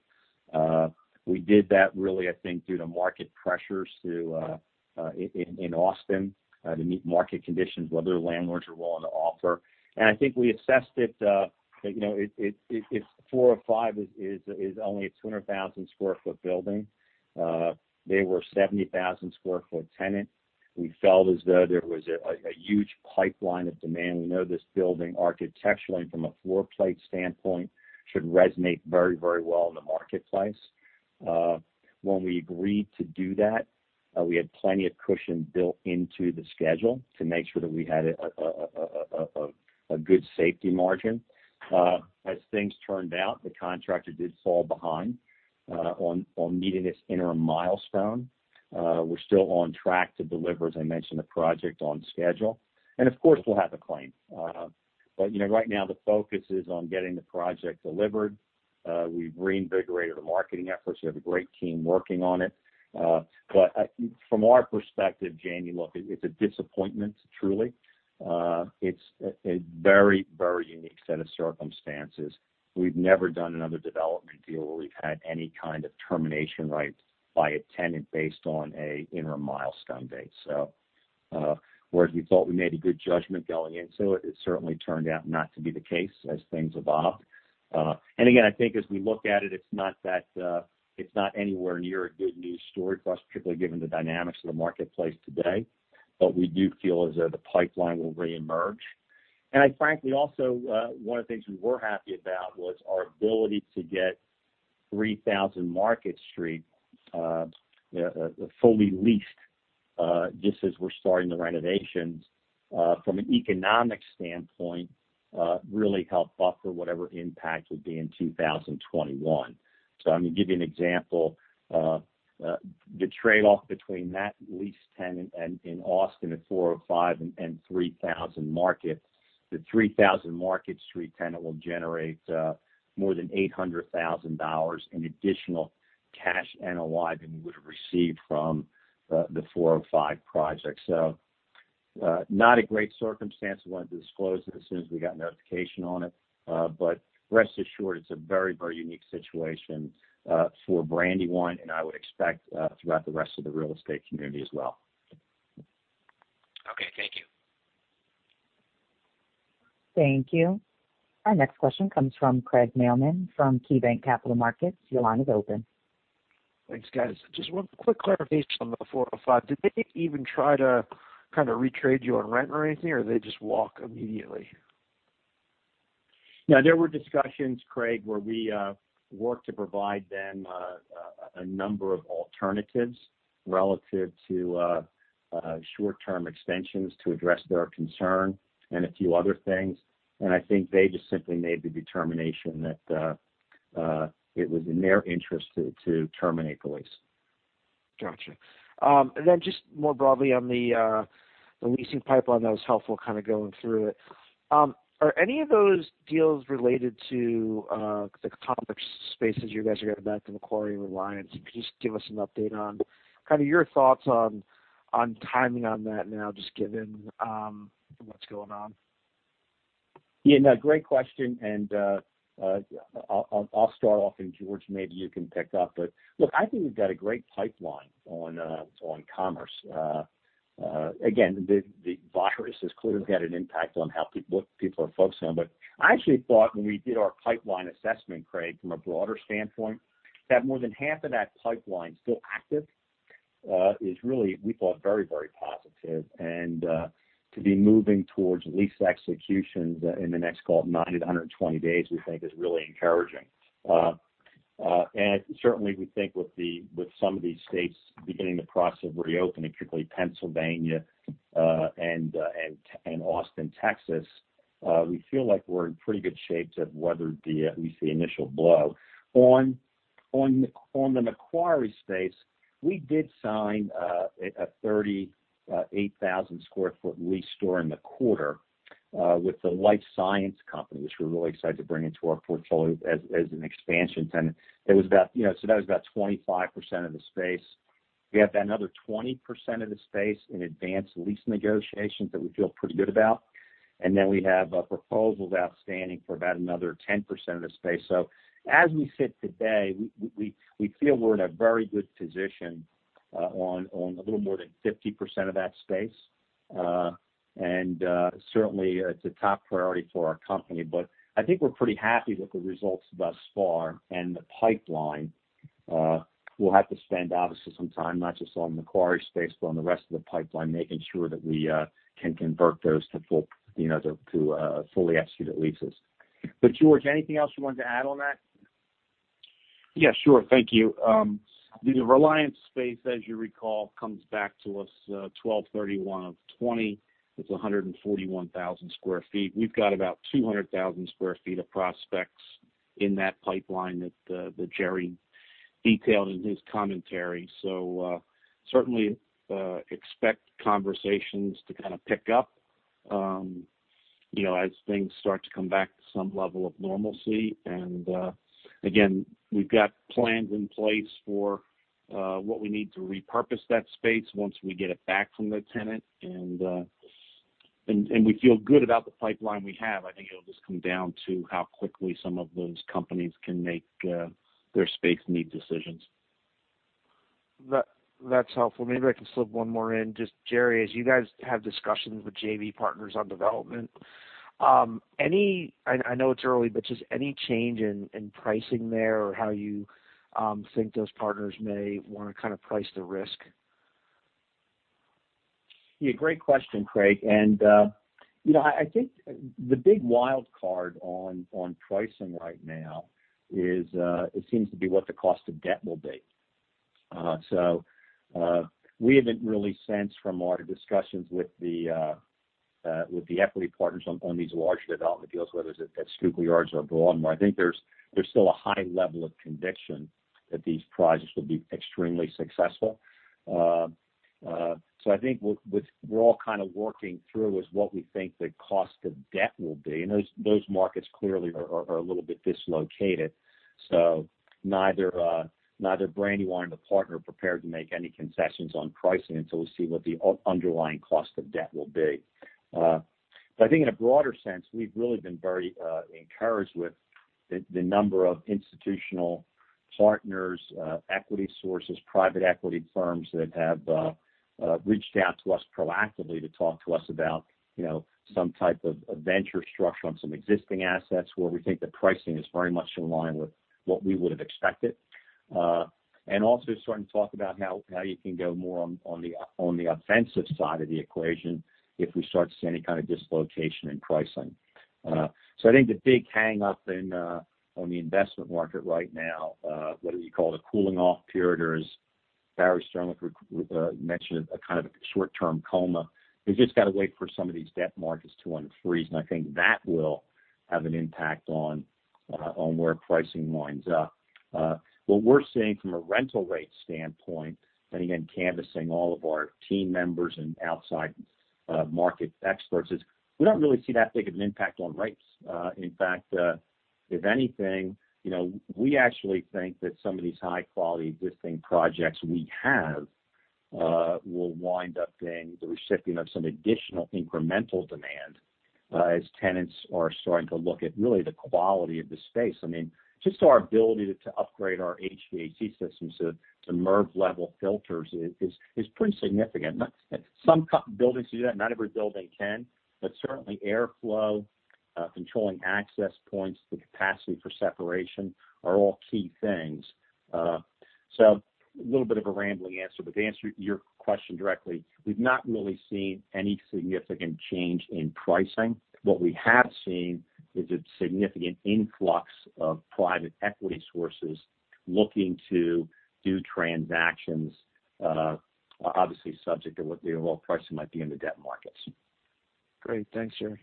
[SPEAKER 2] We did that really, I think, due to market pressures in Austin to meet market conditions, whether landlords are willing to offer. I think we assessed it, if 405 is only a 200,000 square foot building. They were a 70,000 square foot tenant. We felt as though there was a huge pipeline of demand. We know this building architecturally from a floor plate standpoint should resonate very well in the marketplace. When we agreed to do that, we had plenty of cushion built into the schedule to make sure that we had a good safety margin. As things turned out, the contractor did fall behind on meeting this interim milestone. We're still on track to deliver, as I mentioned, the project on schedule. Of course, we'll have a claim. Right now the focus is on getting the project delivered. We've reinvigorated the marketing efforts. We have a great team working on it. From our perspective, Jamie, look, it's a disappointment, truly. It's a very unique set of circumstances. We've never done another development deal where we've had any kind of termination right by a tenant based on an interim milestone date. Whereas we thought we made a good judgment going into it certainly turned out not to be the case as things evolved. Again, I think as we look at it's not anywhere near a good news story for us, particularly given the dynamics of the marketplace today. We do feel as though the pipeline will reemerge. Frankly, also, one of the things we were happy about was our ability to get 3000 Market Street fully leased, just as we're starting the renovations. From an economic standpoint, really help buffer whatever impact would be in 2021. I'm going to give you an example. The trade-off between that lease tenant in Austin at 405 and 3000 Market, the 3000 Market Street tenant will generate more than $800,000 in additional cash NOI than we would have received from the 405 project. Not a great circumstance. We wanted to disclose it as soon as we got notification on it. Rest assured, it's a very unique situation for Brandywine, and I would expect throughout the rest of the real estate community as well. Okay. Thank you.
[SPEAKER 1] Thank you. Our next question comes from Craig Mailman from KeyBanc Capital Markets. Your line is open.
[SPEAKER 5] Thanks, guys. Just one quick clarification on the 405. Did they even try to kind of retrade you on rent or anything, or did they just walk immediately?
[SPEAKER 2] Yeah, there were discussions, Craig, where we worked to provide them a number of alternatives relative to short-term extensions to address their concern and a few other things, and I think they just simply made the determination that it was in their interest to terminate the lease.
[SPEAKER 5] Got you. Just more broadly on the leasing pipeline, that was helpful kind of going through it. Are any of those deals related to the Commerce spaces you guys are going to back to Macquarie Reliance? Can you just give us an update on kind of your thoughts on timing on that now, just given what's going on?
[SPEAKER 2] Yeah, no, great question. I'll start off, George, maybe you can pick up. Look, I think we've got a great pipeline on Commerce. Again, the virus has clearly had an impact on what people are focusing on. I actually thought when we did our pipeline assessment, Craig, from a broader standpoint, that more than half of that pipeline still active, is really, we thought, very positive. To be moving towards lease executions in the next call it 90 to 120 days, we think is really encouraging. Certainly, we think with some of these states beginning the process of reopening, particularly Pennsylvania and Austin, Texas, we feel like we're in pretty good shape to have weathered at least the initial blow. On the Macquarie space, we did sign a 38,000 sq ft lease during the quarter, with the life science company, which we're really excited to bring into our portfolio as an expansion tenant. That was about 25% of the space. We have another 20% of the space in advanced lease negotiations that we feel pretty good about. Then we have proposals outstanding for about another 10% of the space. As we sit today, we feel we're in a very good position on a little more than 50% of that space. Certainly, it's a top priority for our company. I think we're pretty happy with the results thus far and the pipeline. We'll have to spend obviously some time, not just on Macquarie space, but on the rest of the pipeline, making sure that we can convert those to fully executed leases. George, anything else you wanted to add on that?
[SPEAKER 6] Yeah, sure. Thank you. The Reliance space, as you recall, comes back to us 12/31/2020. It's 141,000 sq ft. We've got about 200,000 sq ft of prospects in that pipeline that Jerry detailed in his commentary. Certainly, expect conversations to kind of pick up as things start to come back to some level of normalcy. Again, we've got plans in place for what we need to repurpose that space once we get it back from the tenant. We feel good about the pipeline we have. I think it'll just come down to how quickly some of those companies can make their space need decisions.
[SPEAKER 5] That's helpful. Maybe I can slip one more in. Just Jerry, as you guys have discussions with JV partners on development, I know it's early, but just any change in pricing there or how you think those partners may want to kind of price the risk?
[SPEAKER 2] Yeah, great question, Craig. I think the big wild card on pricing right now is it seems to be what the cost of debt will be. We haven't really sensed from our discussions with the equity partners on these larger development deals, whether it's at Schuylkill Yards or Baltimore. I think there's still a high level of conviction that these projects will be extremely successful. I think what we're all kind of working through is what we think the cost of debt will be. Those markets clearly are a little bit dislocated. Neither Brandywine nor the partner are prepared to make any concessions on pricing until we see what the underlying cost of debt will be. I think in a broader sense, we've really been very encouraged with the number of institutional partners, equity sources, private equity firms that have reached out to us proactively to talk to us about some type of venture structure on some existing assets where we think the pricing is very much in line with what we would have expected. Also starting to talk about how you can go more on the offensive side of the equation if we start to see any kind of dislocation in pricing. I think the big hang-up on the investment market right now, whether you call it a cooling off period, or as Barry Sternlicht mentioned, a kind of short-term coma, we've just got to wait for some of these debt markets to unfreeze, and I think that will have an impact on where pricing winds up. What we're seeing from a rental rate standpoint, again, canvassing all of our team members and outside market experts, is we don't really see that big of an impact on rates. In fact, if anything, we actually think that some of these high-quality existing projects we have will wind up being the recipient of some additional incremental demand as tenants are starting to look at really the quality of the space. Just our ability to upgrade our HVAC systems to MERV-level filters is pretty significant. Some buildings do that. Not every building can. Certainly, airflow, controlling access points, the capacity for separation are all key things. A little bit of a rambling answer, but to answer your question directly, we've not really seen any significant change in pricing. What we have seen is a significant influx of private equity sources looking to do transactions, obviously subject to what the overall pricing might be in the debt markets.
[SPEAKER 5] Great. Thanks, Jerry.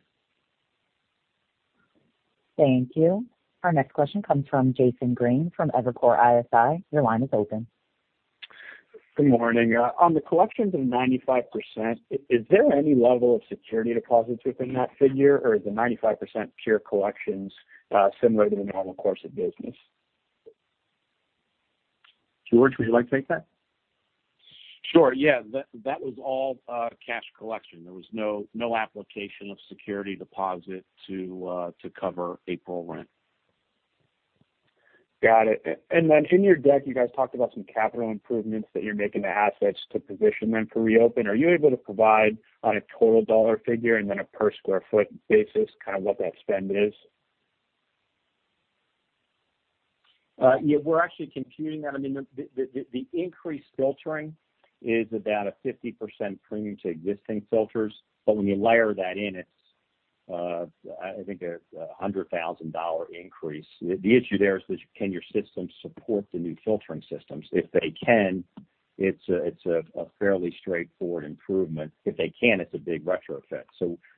[SPEAKER 1] Thank you. Our next question comes from Jason Green from Evercore ISI. Your line is open.
[SPEAKER 7] Good morning. On the collections of 95%, is there any level of security deposits within that figure, or is the 95% pure collections similar to the normal course of business?
[SPEAKER 2] George, would you like to take that?
[SPEAKER 6] Sure. Yeah. That was all cash collection. There was no application of security deposit to cover April rent.
[SPEAKER 7] Got it. In your deck, you guys talked about some capital improvements that you're making to assets to position them to reopen. Are you able to provide a total dollar figure and then a per square foot basis, kind of what that spend is?
[SPEAKER 2] Yeah, we're actually computing that. The increased filtering is about a 50% premium to existing filters. When you layer that in, it's, I think, a $100,000 increase. The issue there is can your system support the new filtering systems? If they can, it's a fairly straightforward improvement. If they can't, it's a big retrofit.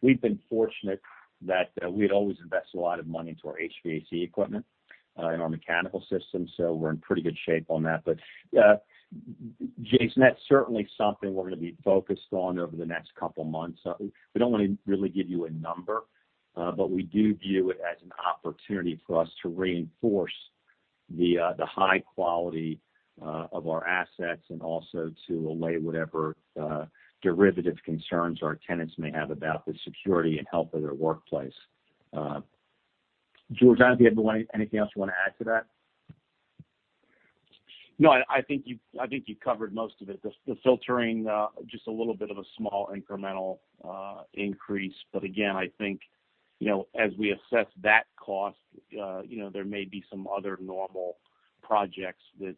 [SPEAKER 2] We've been fortunate that we'd always invest a lot of money into our HVAC equipment and our mechanical system, so we're in pretty good shape on that. Jason, that's certainly something we're going to be focused on over the next couple of months. We don't want to really give you a number, we do view it as an opportunity for us to reinforce the high quality of our assets and also to allay whatever derivative concerns our tenants may have about the security and health of their workplace. George, do you have anything else you want to add to that?
[SPEAKER 6] No, I think you covered most of it. The filtering, just a little bit of a small incremental increase. Again, I think, as we assess that cost, there may be some other normal projects that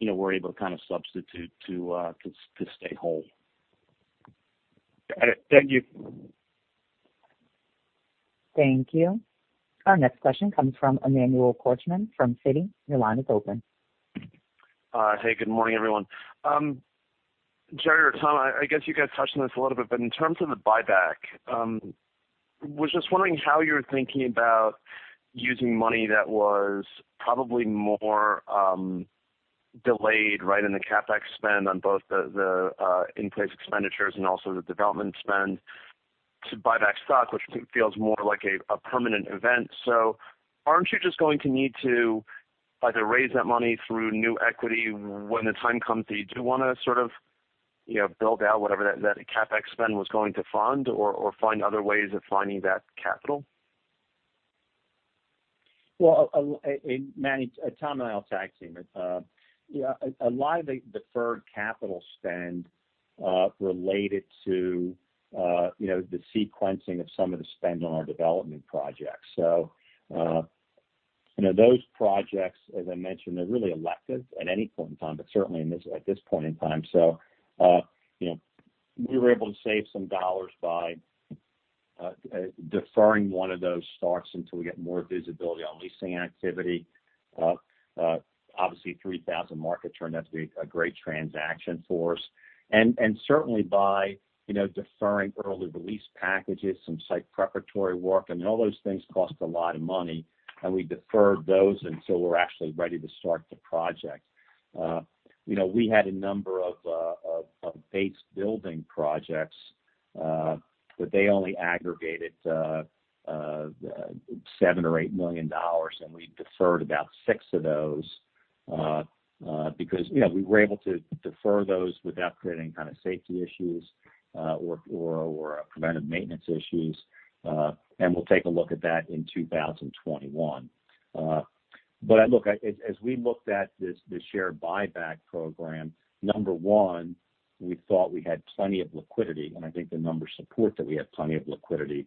[SPEAKER 6] we're able to kind of substitute to stay whole.
[SPEAKER 7] Got it. Thank you.
[SPEAKER 1] Thank you. Our next question comes from Emmanuel Korchman from Citi. Your line is open.
[SPEAKER 8] Hey, good morning, everyone. Jerry or Tom, I guess you guys touched on this a little bit, but in terms of the buyback, was just wondering how you're thinking about using money that was probably more delayed in the CapEx spend on both the in-place expenditures and also the development spend to buy back stock, which feels more like a permanent event. Aren't you just going to need to either raise that money through new equity when the time comes? Do you do want to sort of build out whatever that CapEx spend was going to fund or find other ways of finding that capital?
[SPEAKER 2] Well, Manny, Tom and I will tag team it. A lot of the deferred capital spend related to the sequencing of some of the spend on our development projects. Those projects, as I mentioned, are really elective at any point in time, but certainly at this point in time. We were able to save some dollars by deferring one of those starts until we get more visibility on leasing activity. Obviously, 3000 Market turned out to be a great transaction for us. Certainly by deferring early release packages, some site preparatory work, and all those things cost a lot of money, and we deferred those until we're actually ready to start the project. We had a number of base building projects, but they only aggregated $7 million or $8 million, and we deferred about six of those, because we were able to defer those without creating kind of safety issues or preventive maintenance issues. We'll take a look at that in 2021. Look, as we looked at the share buyback program, number one, we thought we had plenty of liquidity, and I think the numbers support that we have plenty of liquidity,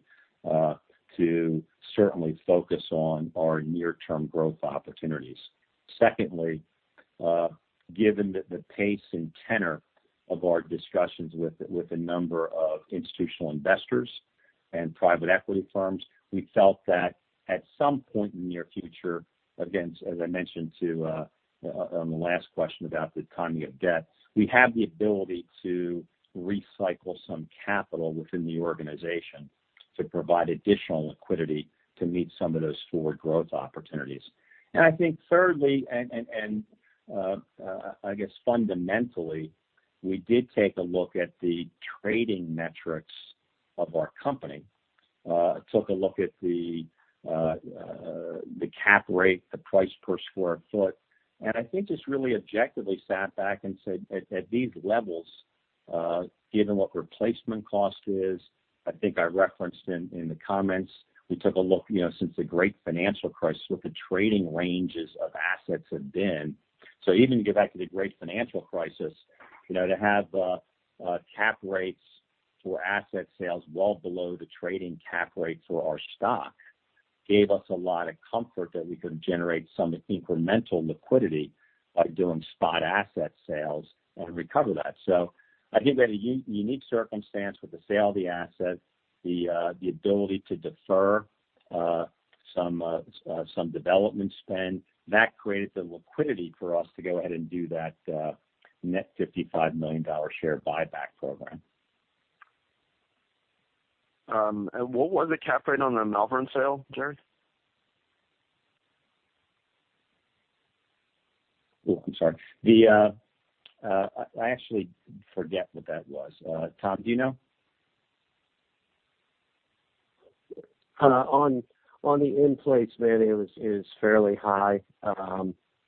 [SPEAKER 2] to certainly focus on our near-term growth opportunities. Given that the pace and tenor of our discussions with a number of institutional investors and private equity firms, we felt that at some point in the near future, again, as I mentioned on the last question about the economy of debt, we have the ability to recycle some capital within the organization to provide additional liquidity to meet some of those forward growth opportunities. I think thirdly, and I guess fundamentally, we did take a look at the trading metrics of our company. Took a look at the cap rate, the price per square foot. I think just really objectively sat back and said at these levels, given what replacement cost is, I think I referenced in the comments, we took a look, since the Great Financial Crisis, what the trading ranges of assets have been. Even to go back to the great financial crisis, to have cap rates for asset sales well below the trading cap rate for our stock gave us a lot of comfort that we could generate some incremental liquidity by doing spot asset sales and recover that. I think we had a unique circumstance with the sale of the asset, the ability to defer some development spend. That created the liquidity for us to go ahead and do that net $55 million share buyback program.
[SPEAKER 8] What was the cap rate on the Malvern sale, Jerry?
[SPEAKER 2] I'm sorry. I actually forget what that was. Tom, do you know?
[SPEAKER 3] On the in-place, Manny, it was fairly high,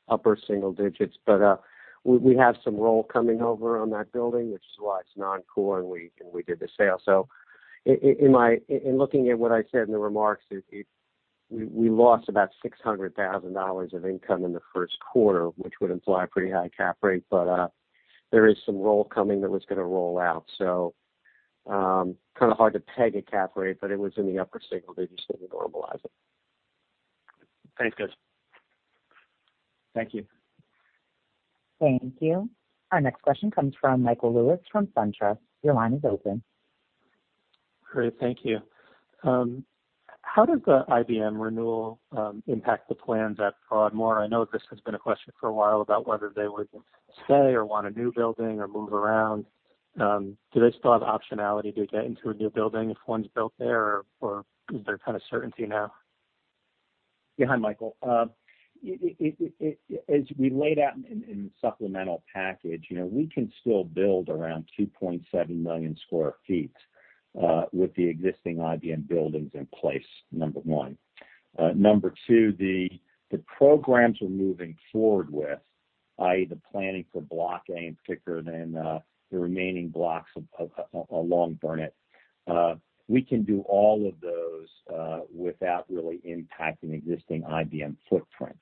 [SPEAKER 3] upper single digits. We have some roll coming over on that building, which is why it's non-core, and we did the sale. In looking at what I said in the remarks, we lost about $600,000 of income in the first quarter, which would imply a pretty high cap rate. There is some roll coming that was going to roll out. Kind of hard to peg a cap rate, but it was in the upper single digits as we normalize it.
[SPEAKER 8] Thanks, guys.
[SPEAKER 2] Thank you.
[SPEAKER 1] Thank you. Our next question comes from Michael Lewis from SunTrust. Your line is open.
[SPEAKER 9] Great. Thank you. How does the IBM renewal impact the plans at Broadmoor? I know this has been a question for a while about whether they would stay or want a new building or move around. Do they still have optionality to get into a new building if one's built there, or is there kind of certainty now?
[SPEAKER 2] Hi, Michael. As we laid out in the supplemental package, we can still build around 2.7 million square feet with the existing IBM buildings in place, number one. Number two, the programs we're moving forward with, i.e., the planning for Block A in particular, then the remaining blocks along Burnet, we can do all of those without really impacting existing IBM footprint.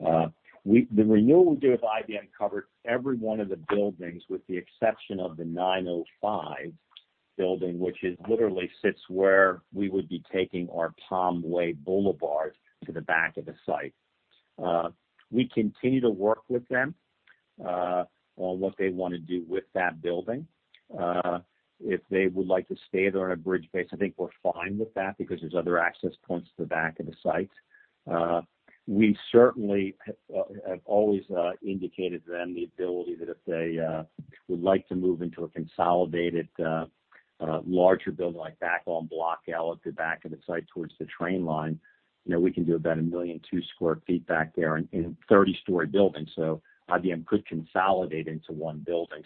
[SPEAKER 2] The renewal we did with IBM covered every one of the buildings with the exception of the 905 building, which literally sits where we would be taking our Palm Way Boulevard to the back of the site. We continue to work with them on what they want to do with that building. If they would like to stay there on a bridge base, I think we're fine with that because there's other access points to the back of the site. We certainly have always indicated to them the ability that if they would like to move into a consolidated, larger building like back on Block L at the back of the site towards the train line, we can do about 1.2 million square feet back there in a 30-story building. IBM could consolidate into one building.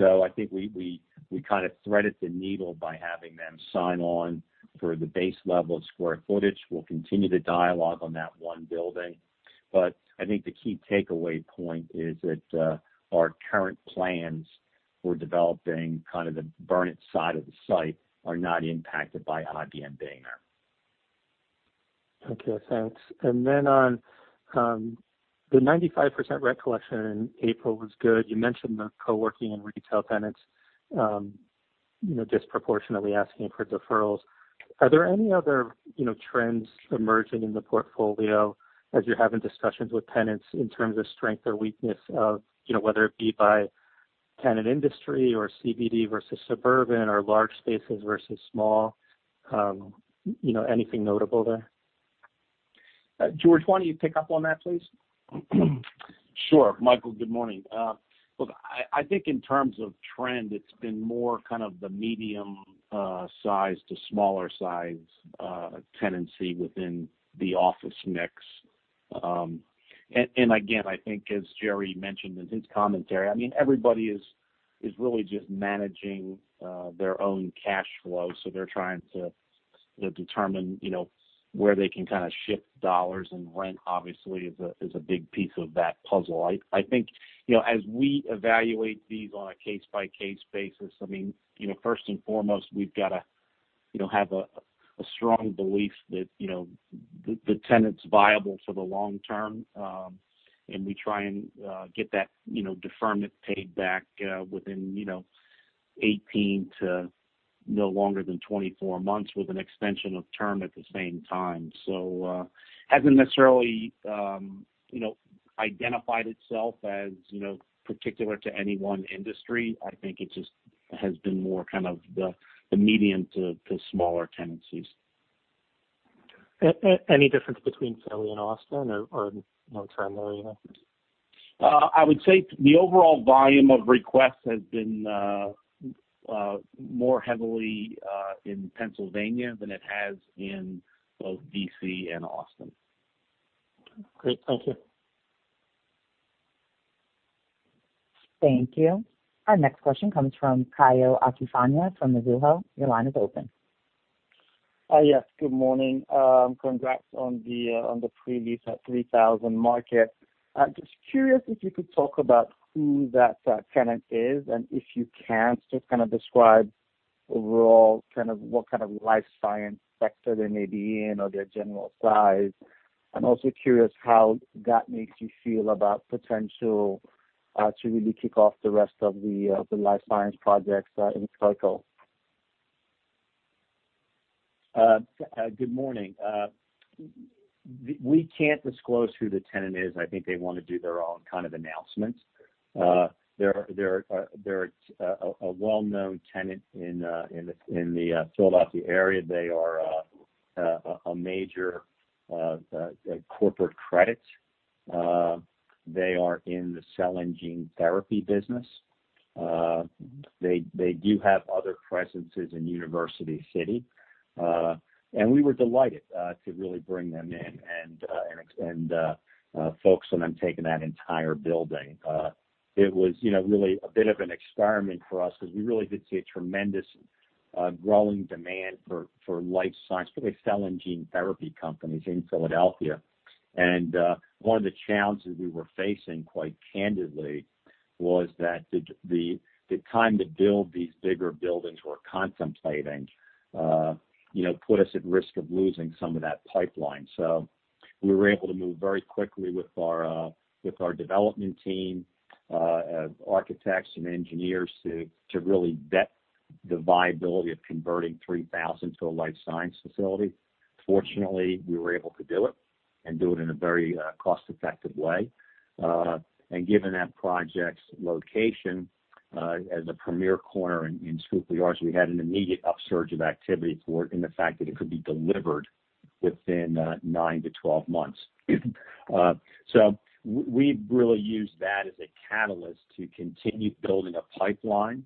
[SPEAKER 2] I think we kind of threaded the needle by having them sign on for the base level of square footage. We'll continue to dialogue on that one building. I think the key takeaway point is that our current plans for developing kind of the Burnet side of the site are not impacted by IBM being there.
[SPEAKER 9] Okay, thanks. On the 95% rent collection in April was good. You mentioned the co-working and retail tenants disproportionately asking for deferrals. Are there any other trends emerging in the portfolio as you're having discussions with tenants in terms of strength or weakness of whether it be by tenant industry or CBD versus suburban or large spaces versus small? Anything notable there?
[SPEAKER 2] George, why don't you pick up on that, please?
[SPEAKER 6] Sure. Michael, good morning. I think in terms of trend, it's been more kind of the medium-size to smaller-size tenancy within the office mix. I think as Jerry mentioned in his commentary, everybody is really just managing their own cash flow. They're trying to determine where they can kind of shift dollars, and rent obviously is a big piece of that puzzle. I think as we evaluate these on a case-by-case basis, first and foremost, we've got to have a strong belief that the tenant's viable for the long term. We try and get that deferment paid back within 18-24 months with an extension of term at the same time. Hasn't necessarily identified itself as particular to any one industry. I think it just has been more kind of the medium to smaller tenancies.
[SPEAKER 9] Any difference between Philly and Austin or no trend there?
[SPEAKER 6] I would say the overall volume of requests has been more heavily in Pennsylvania than it has in both D.C. and Austin.
[SPEAKER 9] Great. Thank you.
[SPEAKER 1] Thank you. Our next question comes from Tayo Okusanya from Mizuho. Your line is open.
[SPEAKER 10] Yes. Good morning. Congrats on the pre-lease at 3000 Market. Just curious if you could talk about who that tenant is, and if you can't, just kind of describe overall what kind of life science sector they may be in or their general size. I'm also curious how that makes you feel about potential to really kick off the rest of the life science projects in Schuylkill.
[SPEAKER 2] Good morning. We can't disclose who the tenant is. I think they want to do their own kind of announcement. They're a well-known tenant in the Philadelphia area. They are a major corporate credit. They are in the cell and gene therapy business. They do have other presences in University City. We were delighted to really bring them in and focus on them taking that entire building. It was really a bit of an experiment for us because we really did see a tremendous growing demand for life science, particularly cell and gene therapy companies in Philadelphia. One of the challenges we were facing, quite candidly, was that the time to build these bigger buildings we're contemplating put us at risk of losing some of that pipeline. We were able to move very quickly with our development team of architects and engineers to really vet the viability of converting 3000 to a life science facility. Fortunately, we were able to do it, and do it in a very cost-effective way. Given that project's location as a premier corner in Schuylkill Yards, we had an immediate upsurge of activity for it, and the fact that it could be delivered within nine-12 months. We've really used that as a catalyst to continue building a pipeline.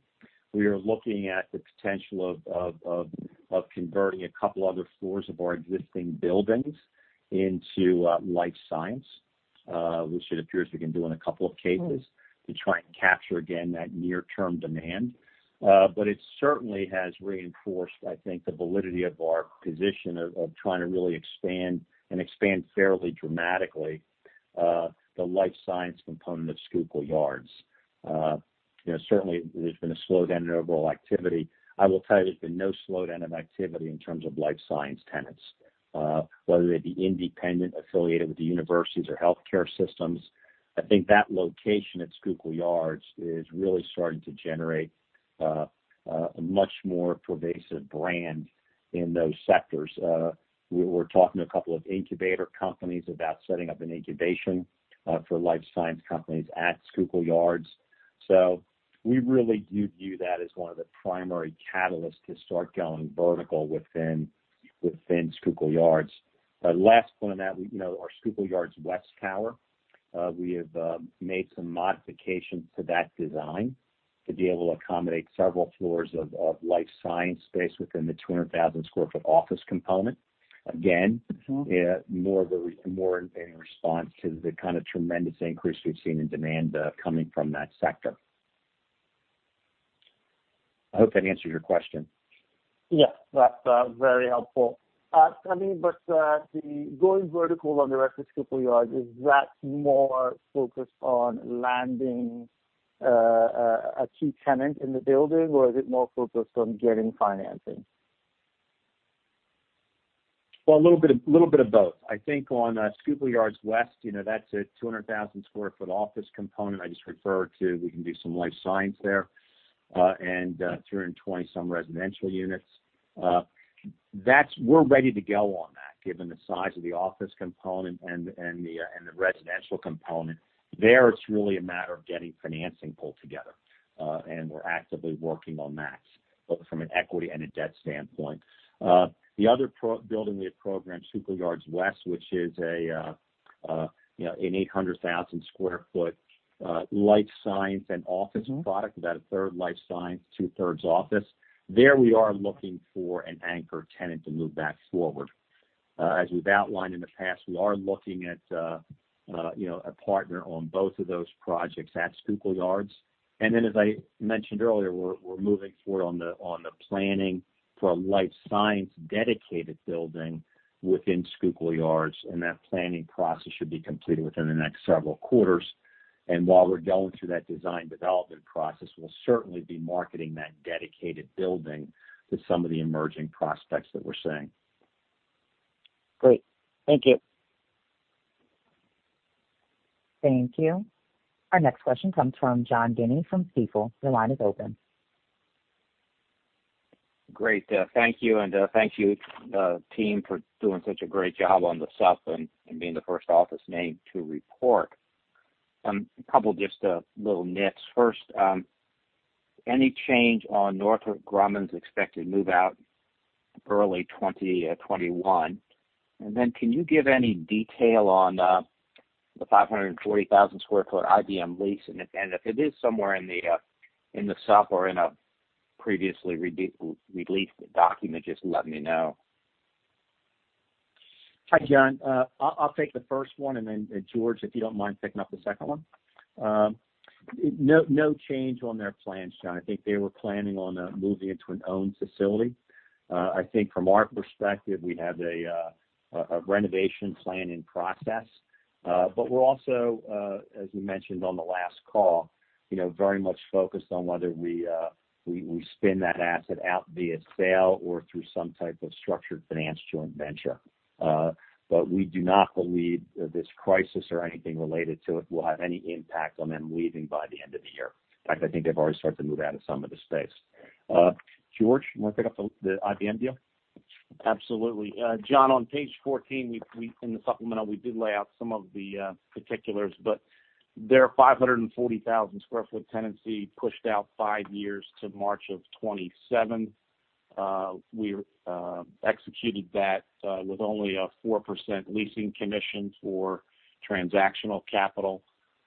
[SPEAKER 2] We are looking at the potential of converting a couple other floors of our existing buildings into life science, which it appears we can do in a couple of cases to try and capture again that near-term demand. It certainly has reinforced, I think, the validity of our position of trying to really expand, and expand fairly dramatically, the life science component of Schuylkill Yards. Certainly, there's been a slowdown in overall activity. I will tell you there's been no slowdown of activity in terms of life science tenants whether they be independent, affiliated with the universities or healthcare systems. I think that location at Schuylkill Yards is really starting to generate a much more pervasive brand in those sectors. We're talking to a couple of incubator companies about setting up an incubation for life science companies at Schuylkill Yards. We really do view that as one of the primary catalysts to start going vertical within Schuylkill Yards. Last one on that, our Schuylkill Yards West tower, we have made some modifications to that design to be able to accommodate several floors of life science space within the 200,000 square foot office component. Again, more in response to the kind of tremendous increase we've seen in demand coming from that sector. I hope that answers your question.
[SPEAKER 10] Yes. That's very helpful. Going vertical on the rest of Schuylkill Yards, is that more focused on landing a key tenant in the building, or is it more focused on getting financing?
[SPEAKER 2] Well, a little bit of both. I think on Schuylkill Yards West, that's a 200,000 square foot office component I just referred to. We can do some life science there, and 320 some residential units. We're ready to go on that given the size of the office component and the residential component. There, it's really a matter of getting financing pulled together, and we're actively working on that both from an equity and a debt standpoint. The other building we have programmed, Schuylkill Yards West, which is an 800,000 square foot life science and office product, about a third life science, two thirds office. There, we are looking for an anchor tenant to move that forward. As we've outlined in the past, we are looking at a partner on both of those projects at Schuylkill Yards. As I mentioned earlier, we're moving forward on the planning for a life science dedicated building within Schuylkill Yards, and that planning process should be completed within the next several quarters. While we're going through that design development process, we'll certainly be marketing that dedicated building to some of the emerging prospects that we're seeing.
[SPEAKER 10] Great. Thank you.
[SPEAKER 1] Thank you. Our next question comes from John Guinee from Stifel. Your line is open.
[SPEAKER 11] Great. Thank you, and thank you team for doing such a great job on the SUP and being the first office name to report. A couple just little nits. First, any change on Northrop Grumman's expected move-out early 2021? Can you give any detail on the 540,000 square foot IBM lease? If it is somewhere in the SUP or in a previously released document, just let me know.
[SPEAKER 2] Hi, John. I'll take the first one, and then George, if you don't mind picking up the second one. No change on their plans, John. I think they were planning on moving into an owned facility. I think from our perspective, we have a renovation plan in process. We're also, as we mentioned on the last call, very much focused on whether we spin that asset out via sale or through some type of structured finance joint venture. We do not believe this crisis or anything related to it will have any impact on them leaving by the end of the year. In fact, I think they've already started to move out of some of the space. George, you want to pick up the IBM deal?
[SPEAKER 6] Absolutely. John, on page 14 in the supplemental, we did lay out some of the particulars, but their 540,000 square foot tenancy pushed out five years to March of 2027. We executed that with only a 4% leasing commission for transactional capital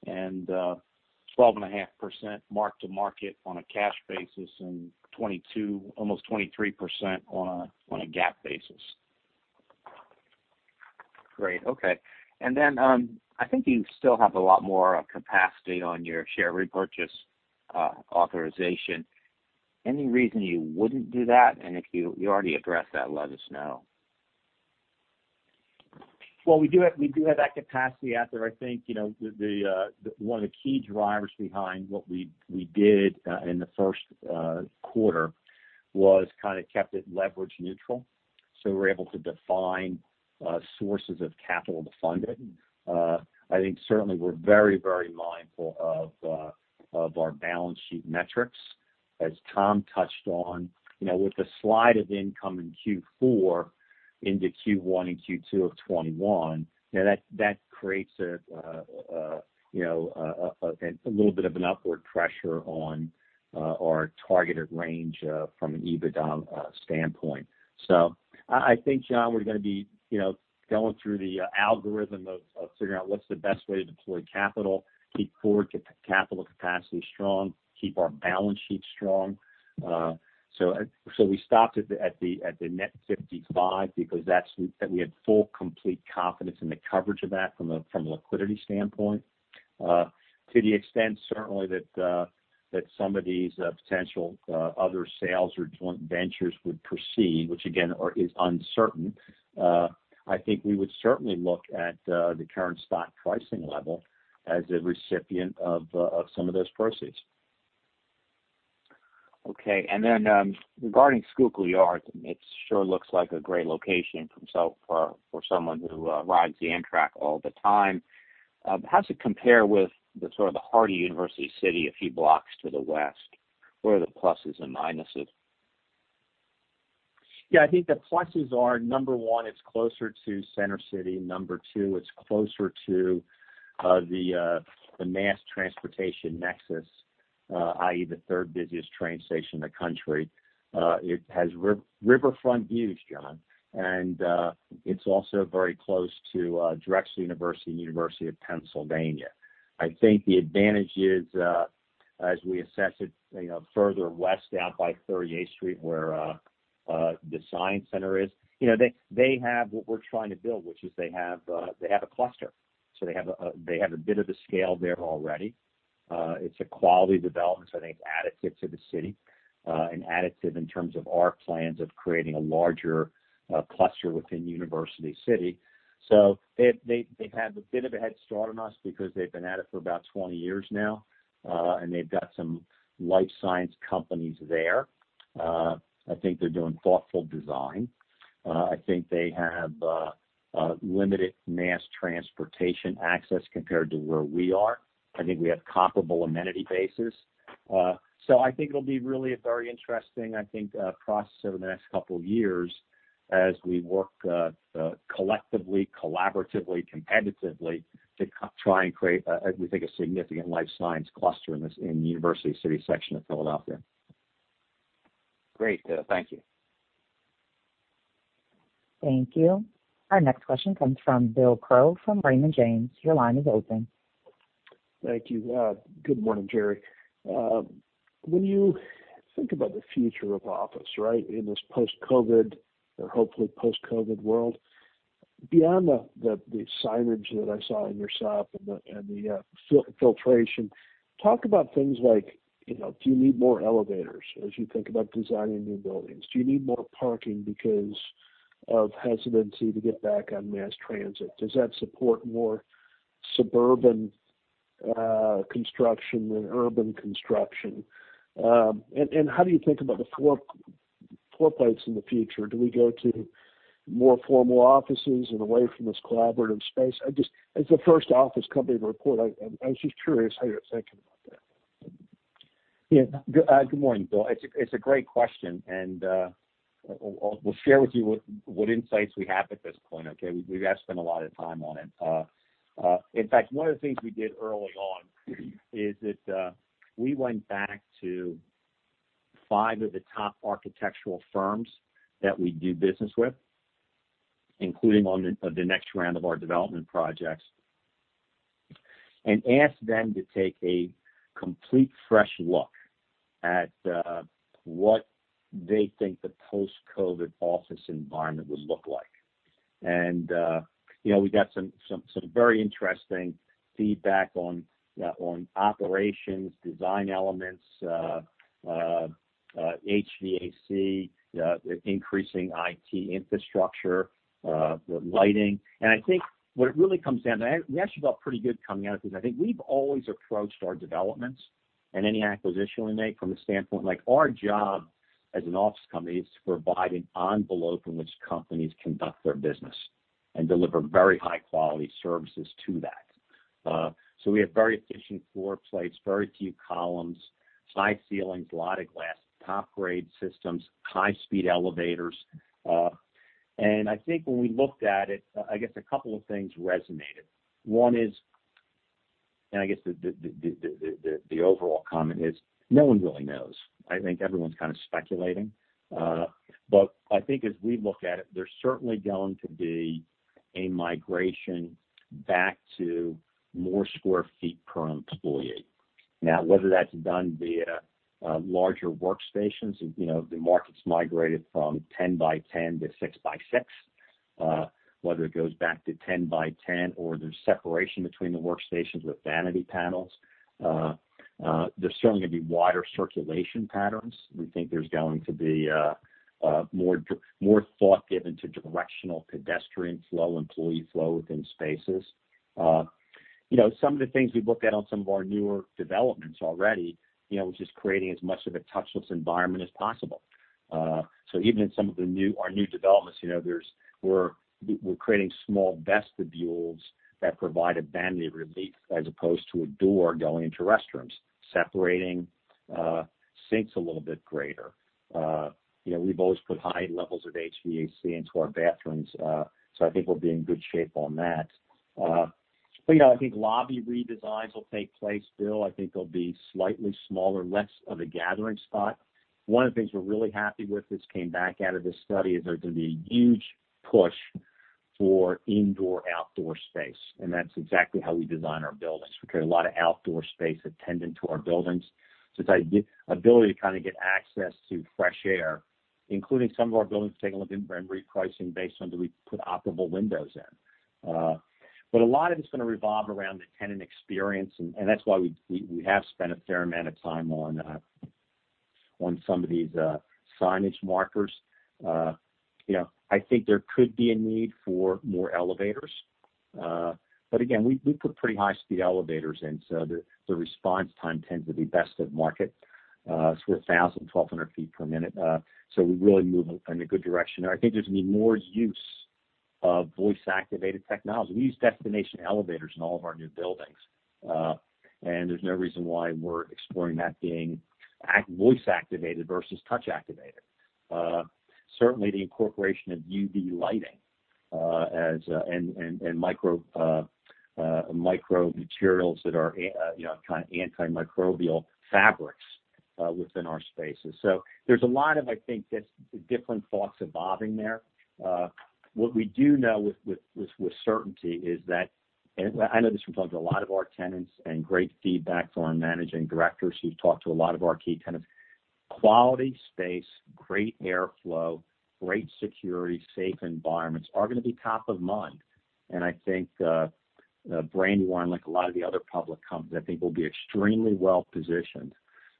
[SPEAKER 6] and 12.5% mark to market on a cash basis, and almost 23% on a GAAP basis.
[SPEAKER 11] Great. Okay. I think you still have a lot more capacity on your share repurchase authorization. Any reason you wouldn't do that? If you already addressed that, let us know.
[SPEAKER 2] Well, we do have that capacity out there. One of the key drivers behind what we did in the first quarter was kind of kept it leverage neutral. We were able to define sources of capital to fund it. Certainly we're very mindful of our balance sheet metrics. As Tom touched on, with the slide of income in Q4 into Q1 and Q2 of 2021, that creates a little bit of an upward pressure on our targeted range from an EBITDA standpoint. John, we're going to be going through the algorithm of figuring out what's the best way to deploy capital, keep core capital capacity strong, keep our balance sheet strong. We stopped at the net 55 because we had full complete confidence in the coverage of that from a liquidity standpoint. To the extent certainly that some of these potential other sales or joint ventures would proceed, which again, is uncertain, I think we would certainly look at the current stock pricing level as a recipient of some of those proceeds.
[SPEAKER 11] Okay. Regarding Schuylkill Yards, it sure looks like a great location for someone who rides the Amtrak all the time. How does it compare with sort of the heart of University City a few blocks to the west? What are the pluses and minuses?
[SPEAKER 2] I think the pluses are, number one, it's closer to Center City. Number two, it's closer to the mass transportation nexus, i.e., the third busiest train station in the country. It has riverfront views, John, and it's also very close to Drexel University and University of Pennsylvania. I think the advantage is, as we assess it further west out by 38th Street where the Science Center is, they have what we're trying to build, which is they have a cluster. They have a bit of a scale there already. It's a quality development, I think additive to the city, and additive in terms of our plans of creating a larger cluster within University City. They've had a bit of a head start on us because they've been at it for about 20 years now, and they've got some life science companies there. I think they're doing thoughtful design. I think they have limited mass transportation access compared to where we are. I think we have comparable amenity bases. I think it'll be really a very interesting process over the next couple of years as we work collectively, collaboratively, competitively to try and create a, we think, a significant life science cluster in University City section of Philadelphia. Great. Thank you.
[SPEAKER 1] Thank you. Our next question comes from Bill Crow from Raymond James. Your line is open.
[SPEAKER 12] Thank you. Good morning, Jerry. When you think about the future of office, right, in this post-COVID or hopefully post-COVID world, beyond the signage that I saw in your SUP and the filtration, talk about things like, do you need more elevators as you think about designing new buildings? Do you need more parking because of hesitancy to get back on mass transit? Does that support more suburban construction than urban construction? How do you think about the floor plates in the future? Do we go to more formal offices and away from this collaborative space? It's the first office company to report. I was just curious how you're thinking about that.
[SPEAKER 2] Yeah. Good morning, Bill. It's a great question, and we'll share with you what insights we have at this point, okay? We've spent a lot of time on it. In fact, one of the things we did early on is that we went back to five of the top architectural firms that we do business with, including on the next round of our development projects. Asked them to take a complete fresh look at what they think the post-COVID office environment would look like. We got some very interesting feedback on operations, design elements, HVAC, increasing IT infrastructure, the lighting. I think what it really comes down to, we actually felt pretty good coming out of this. I think we've always approached our developments and any acquisition we make from a standpoint, like our job as an office company is to provide an envelope in which companies conduct their business and deliver very high-quality services to that. We have very efficient floor plates, very few columns, high ceilings, a lot of glass, top-grade systems, high-speed elevators. I think when we looked at it, I guess a couple of things resonated. One is, I guess the overall comment is no one really knows. I think everyone's kind of speculating. I think as we look at it, there's certainly going to be a migration back to more square feet per employee. Now, whether that's done via larger workstations, the market's migrated from 10 by 10 to six by six. Whether it goes back to 10 by 10 or there's separation between the workstations with vanity panels. There's certainly going to be wider circulation patterns. We think there's going to be more thought given to directional pedestrian flow, employee flow within spaces. Some of the things we've looked at on some of our newer developments already, which is creating as much of a touchless environment as possible. Even in some of our new developments, we're creating small vestibules that provide a vanity relief as opposed to a door going into restrooms. Separating sinks a little bit greater. We've always put high levels of HVAC into our bathrooms, so I think we'll be in good shape on that. Yeah, I think lobby redesigns will take place, Bill. I think they'll be slightly smaller, less of a gathering spot. One of the things we're really happy with this came back out of this study is there's going to be a huge push for indoor, outdoor space, and that's exactly how we design our buildings. We carry a lot of outdoor space attendant to our buildings. It's that ability to kind of get access to fresh air, including some of our buildings taking a look and repricing based on do we put operable windows in. A lot of it's going to revolve around the tenant experience, and that's why we have spent a fair amount of time on some of these signage markers. I think there could be a need for more elevators. Again, we put pretty high-speed elevators in, so the response time tends to be best of market. We're 1,000, 1,200 feet per minute. We really move in a good direction there. I think there's going to be more use of voice-activated technology. We use destination elevators in all of our new buildings. There's no reason why we're exploring that being voice-activated versus touch-activated. Certainly, the incorporation of UV lighting, and micro materials that are kind of antimicrobial fabrics within our spaces. There's a lot of, I think, just different thoughts involving there. What we do know with certainty is that, and I know this from talking to a lot of our tenants and great feedback from our managing directors who've talked to a lot of our key tenants. Quality space, great airflow, great security, safe environments are going to be top of mind. I think Brandywine, like a lot of the other public companies, I think we'll be extremely well-positioned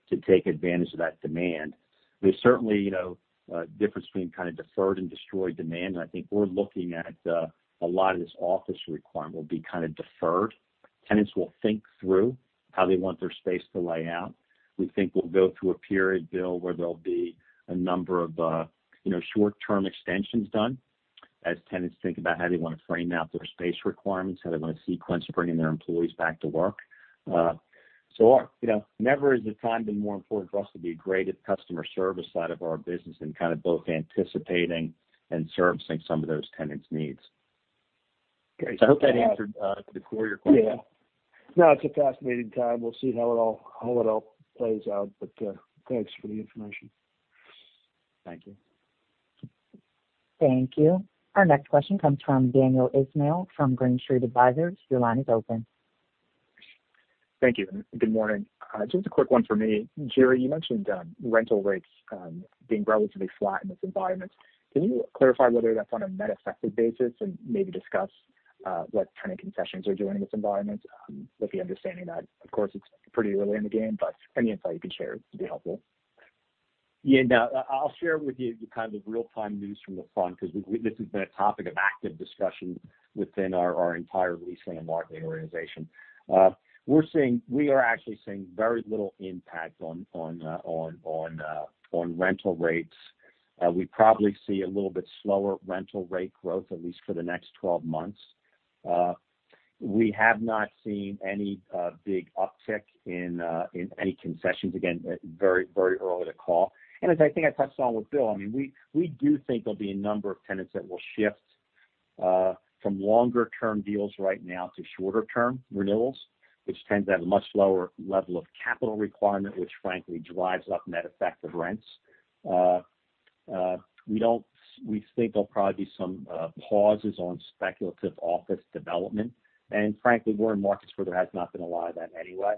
[SPEAKER 2] to take advantage of that demand. There's certainly a difference between kind of deferred and destroyed demand. I think we're looking at a lot of this office requirement will be kind of deferred. Tenants will think through how they want their space to lay out. We think we'll go through a period, Bill, where there'll be a number of short-term extensions done as tenants think about how they want to frame out their space requirements, how they want to sequence bringing their employees back to work. Never has the time been more important for us to be great at customer service side of our business and kind of both anticipating and servicing some of those tenants' needs.
[SPEAKER 12] Okay.
[SPEAKER 2] I hope that answered the core of your question.
[SPEAKER 12] Yeah. No, it's a fascinating time. We'll see how it all plays out, but thanks for the information.
[SPEAKER 2] Thank you.
[SPEAKER 1] Thank you. Our next question comes from Daniel Ismail from Green Street Advisors. Your line is open.
[SPEAKER 13] Thank you. Good morning. Just a quick one for me. Jerry, you mentioned rental rates being relatively flat in this environment. Can you clarify whether that's on a net effective basis and maybe discuss what kind of concessions you're doing in this environment? With the understanding that, of course, it's pretty early in the game, but any insight you can share would be helpful.
[SPEAKER 2] Yeah, no. I'll share with you the kind of real-time news from the front because this has been a topic of active discussion within our entire leasing and marketing organization. We are actually seeing very little impact on rental rates. We probably see a little bit slower rental rate growth, at least for the next 12 months. We have not seen any big uptick in any concessions. Again, very early to call. As I think I touched on with Bill, we do think there'll be a number of tenants that will shift from longer-term deals right now to shorter-term renewals, which tends to have a much lower level of capital requirement, which frankly drives up net effective rents. We think there'll probably be some pauses on speculative office development. Frankly, we're in markets where there has not been a lot of that anyway.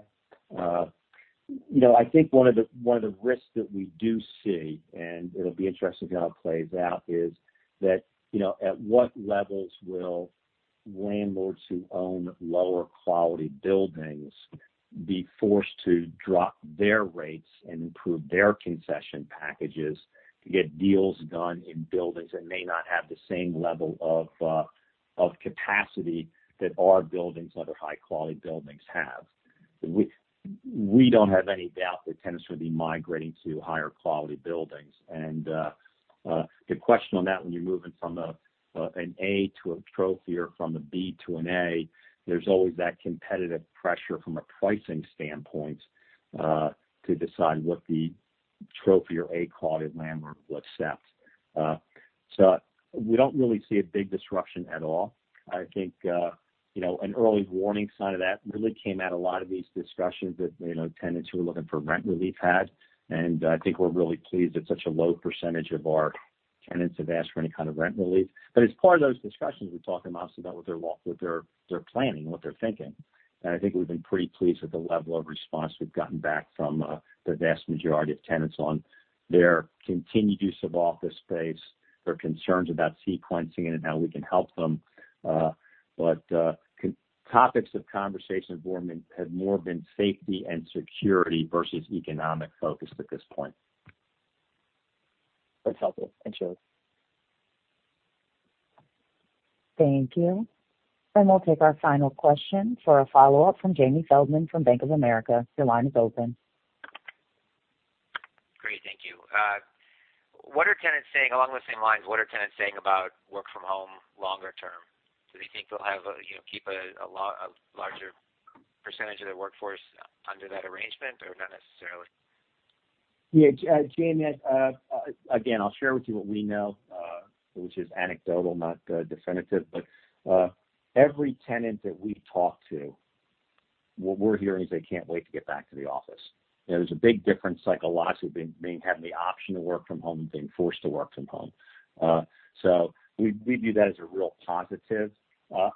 [SPEAKER 2] I think one of the risks that we do see, it'll be interesting to see how it plays out, is that at what levels will landlords who own lower quality buildings be forced to drop their rates and improve their concession packages to get deals done in buildings that may not have the same level of capacity that our buildings, other high quality buildings have. We don't have any doubt that tenants will be migrating to higher quality buildings. The question on that when you're moving from an A to a trophy or from a B to an A, there's always that competitive pressure from a pricing standpoint to decide what the trophy or A quality landlord will accept. We don't really see a big disruption at all. I think an early warning sign of that really came out a lot of these discussions that tenants who are looking for rent relief had. I think we're really pleased that such a low % of our tenants have asked for any kind of rent relief. As part of those discussions, we talk to them obviously about what they're planning and what they're thinking. I think we've been pretty pleased with the level of response we've gotten back from the vast majority of tenants on their continued use of office space, their concerns about sequencing it, and how we can help them. Topics of conversation have more been safety and security versus economic focus at this point.
[SPEAKER 13] That's helpful. Thanks, Jerry.
[SPEAKER 1] Thank you. We'll take our final question for a follow-up from Jamie Feldman from Bank of America. Your line is open.
[SPEAKER 4] Great. Thank you. Along those same lines, what are tenants saying about work from home longer term? Do they think they'll keep a larger percentage of their workforce under that arrangement or not necessarily?
[SPEAKER 2] Yeah. Jamie, again, I'll share with you what we know, which is anecdotal, not definitive. Every tenant that we talk to, what we're hearing is they can't wait to get back to the office. There's a big difference psychologically between having the option to work from home and being forced to work from home. We view that as a real positive. The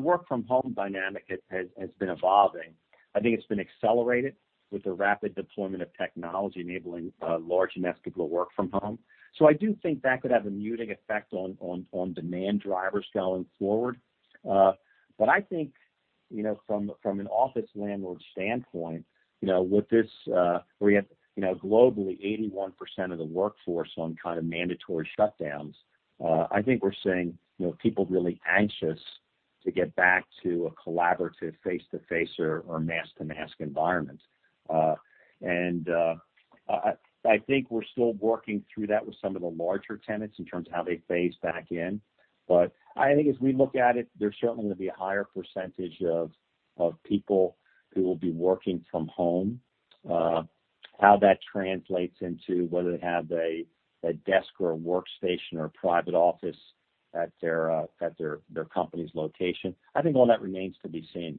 [SPEAKER 2] work from home dynamic has been evolving. I think it's been accelerated with the rapid deployment of technology enabling a large mass of people to work from home. I do think that could have a muting effect on demand drivers going forward. I think from an office landlord standpoint, with this globally 81% of the workforce on kind of mandatory shutdowns, I think we're seeing people really anxious to get back to a collaborative face-to-face or mask-to-mask environment. I think we're still working through that with some of the larger tenants in terms of how they phase back in. I think as we look at it, there's certainly going to be a higher percentage of people who will be working from home. How that translates into whether they have a desk or a workstation or a private office at their company's location, I think all that remains to be seen.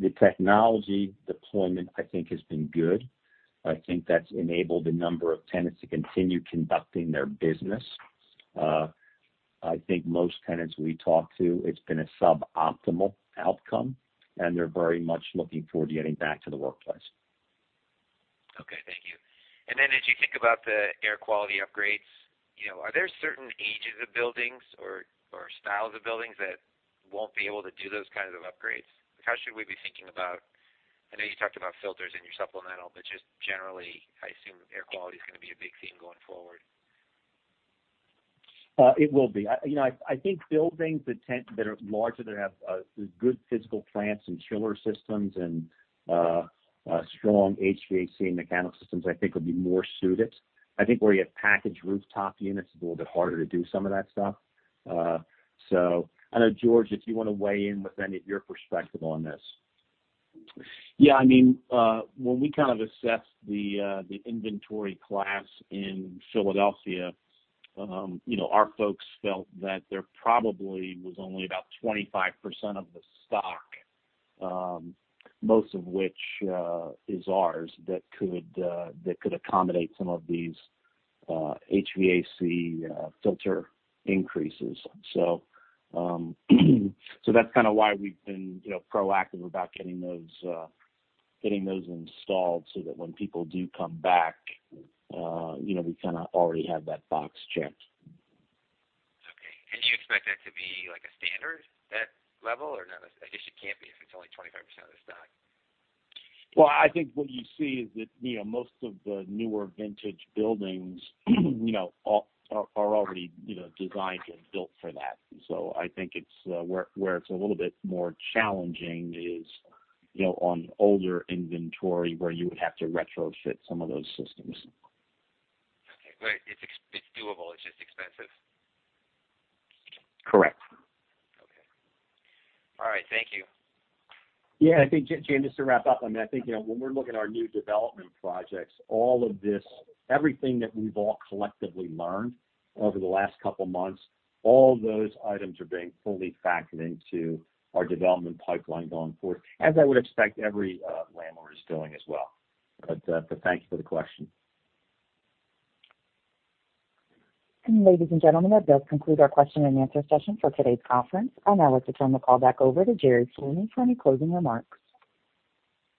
[SPEAKER 2] The technology deployment, I think, has been good. I think that's enabled a number of tenants to continue conducting their business. I think most tenants we talk to, it's been a suboptimal outcome, and they're very much looking forward to getting back to the workplace.
[SPEAKER 4] Okay. Thank you. As you think about the air quality upgrades, are there certain ages of buildings or styles of buildings that won't be able to do those kinds of upgrades? How should we be thinking about, I know you talked about filters in your supplemental, just generally, I assume air quality is going to be a big theme going forward.
[SPEAKER 2] It will be. I think buildings that are larger, that have good physical plants and chiller systems and strong HVAC and mechanical systems, I think would be more suited. I think where you have packaged rooftop units, it's a little bit harder to do some of that stuff. I know, George, if you want to weigh in with any of your perspective on this.
[SPEAKER 6] When we kind of assessed the inventory class in Philadelphia, our folks felt that there probably was only about 25% of the stock, most of which is ours, that could accommodate some of these HVAC filter increases. That's kind of why we've been proactive about getting those installed, so that when people do come back we kind of already have that box checked.
[SPEAKER 4] Okay. Do you expect that to be like a standard, that level? I guess it can't be if it's only 25% of the stock.
[SPEAKER 6] I think what you see is that most of the newer vintage buildings are already designed and built for that. I think where it's a little bit more challenging is on older inventory where you would have to retrofit some of those systems.
[SPEAKER 4] Okay. It's doable, it's just expensive.
[SPEAKER 6] Correct.
[SPEAKER 4] Okay. All right. Thank you.
[SPEAKER 2] Yeah. I think, Jamie, just to wrap up on that, I think when we're looking at our new development projects, everything that we've all collectively learned over the last couple of months, all those items are being fully factored into our development pipeline going forward, as I would expect every landlord is doing as well. Thank you for the question.
[SPEAKER 1] Ladies and gentlemen, that does conclude our question and answer session for today's conference. I'd now like to turn the call back over to Jerry Sweeney for any closing remarks.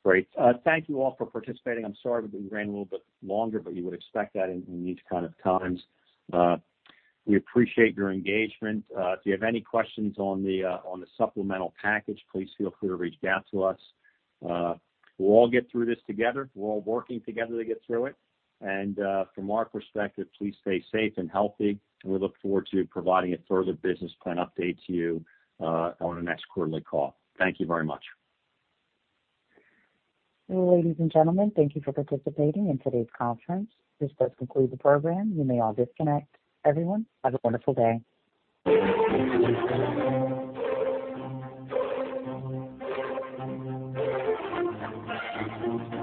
[SPEAKER 2] Great. Thank you all for participating. I'm sorry that we ran a little bit longer. You would expect that in these kind of times. We appreciate your engagement. If you have any questions on the supplemental package, please feel free to reach out to us. We'll all get through this together. We're all working together to get through it. From our perspective, please stay safe and healthy, and we look forward to providing a further business plan update to you on our next quarterly call. Thank you very much.
[SPEAKER 1] Ladies and gentlemen, thank you for participating in today's conference. This does conclude the program. You may all disconnect. Everyone, have a wonderful day.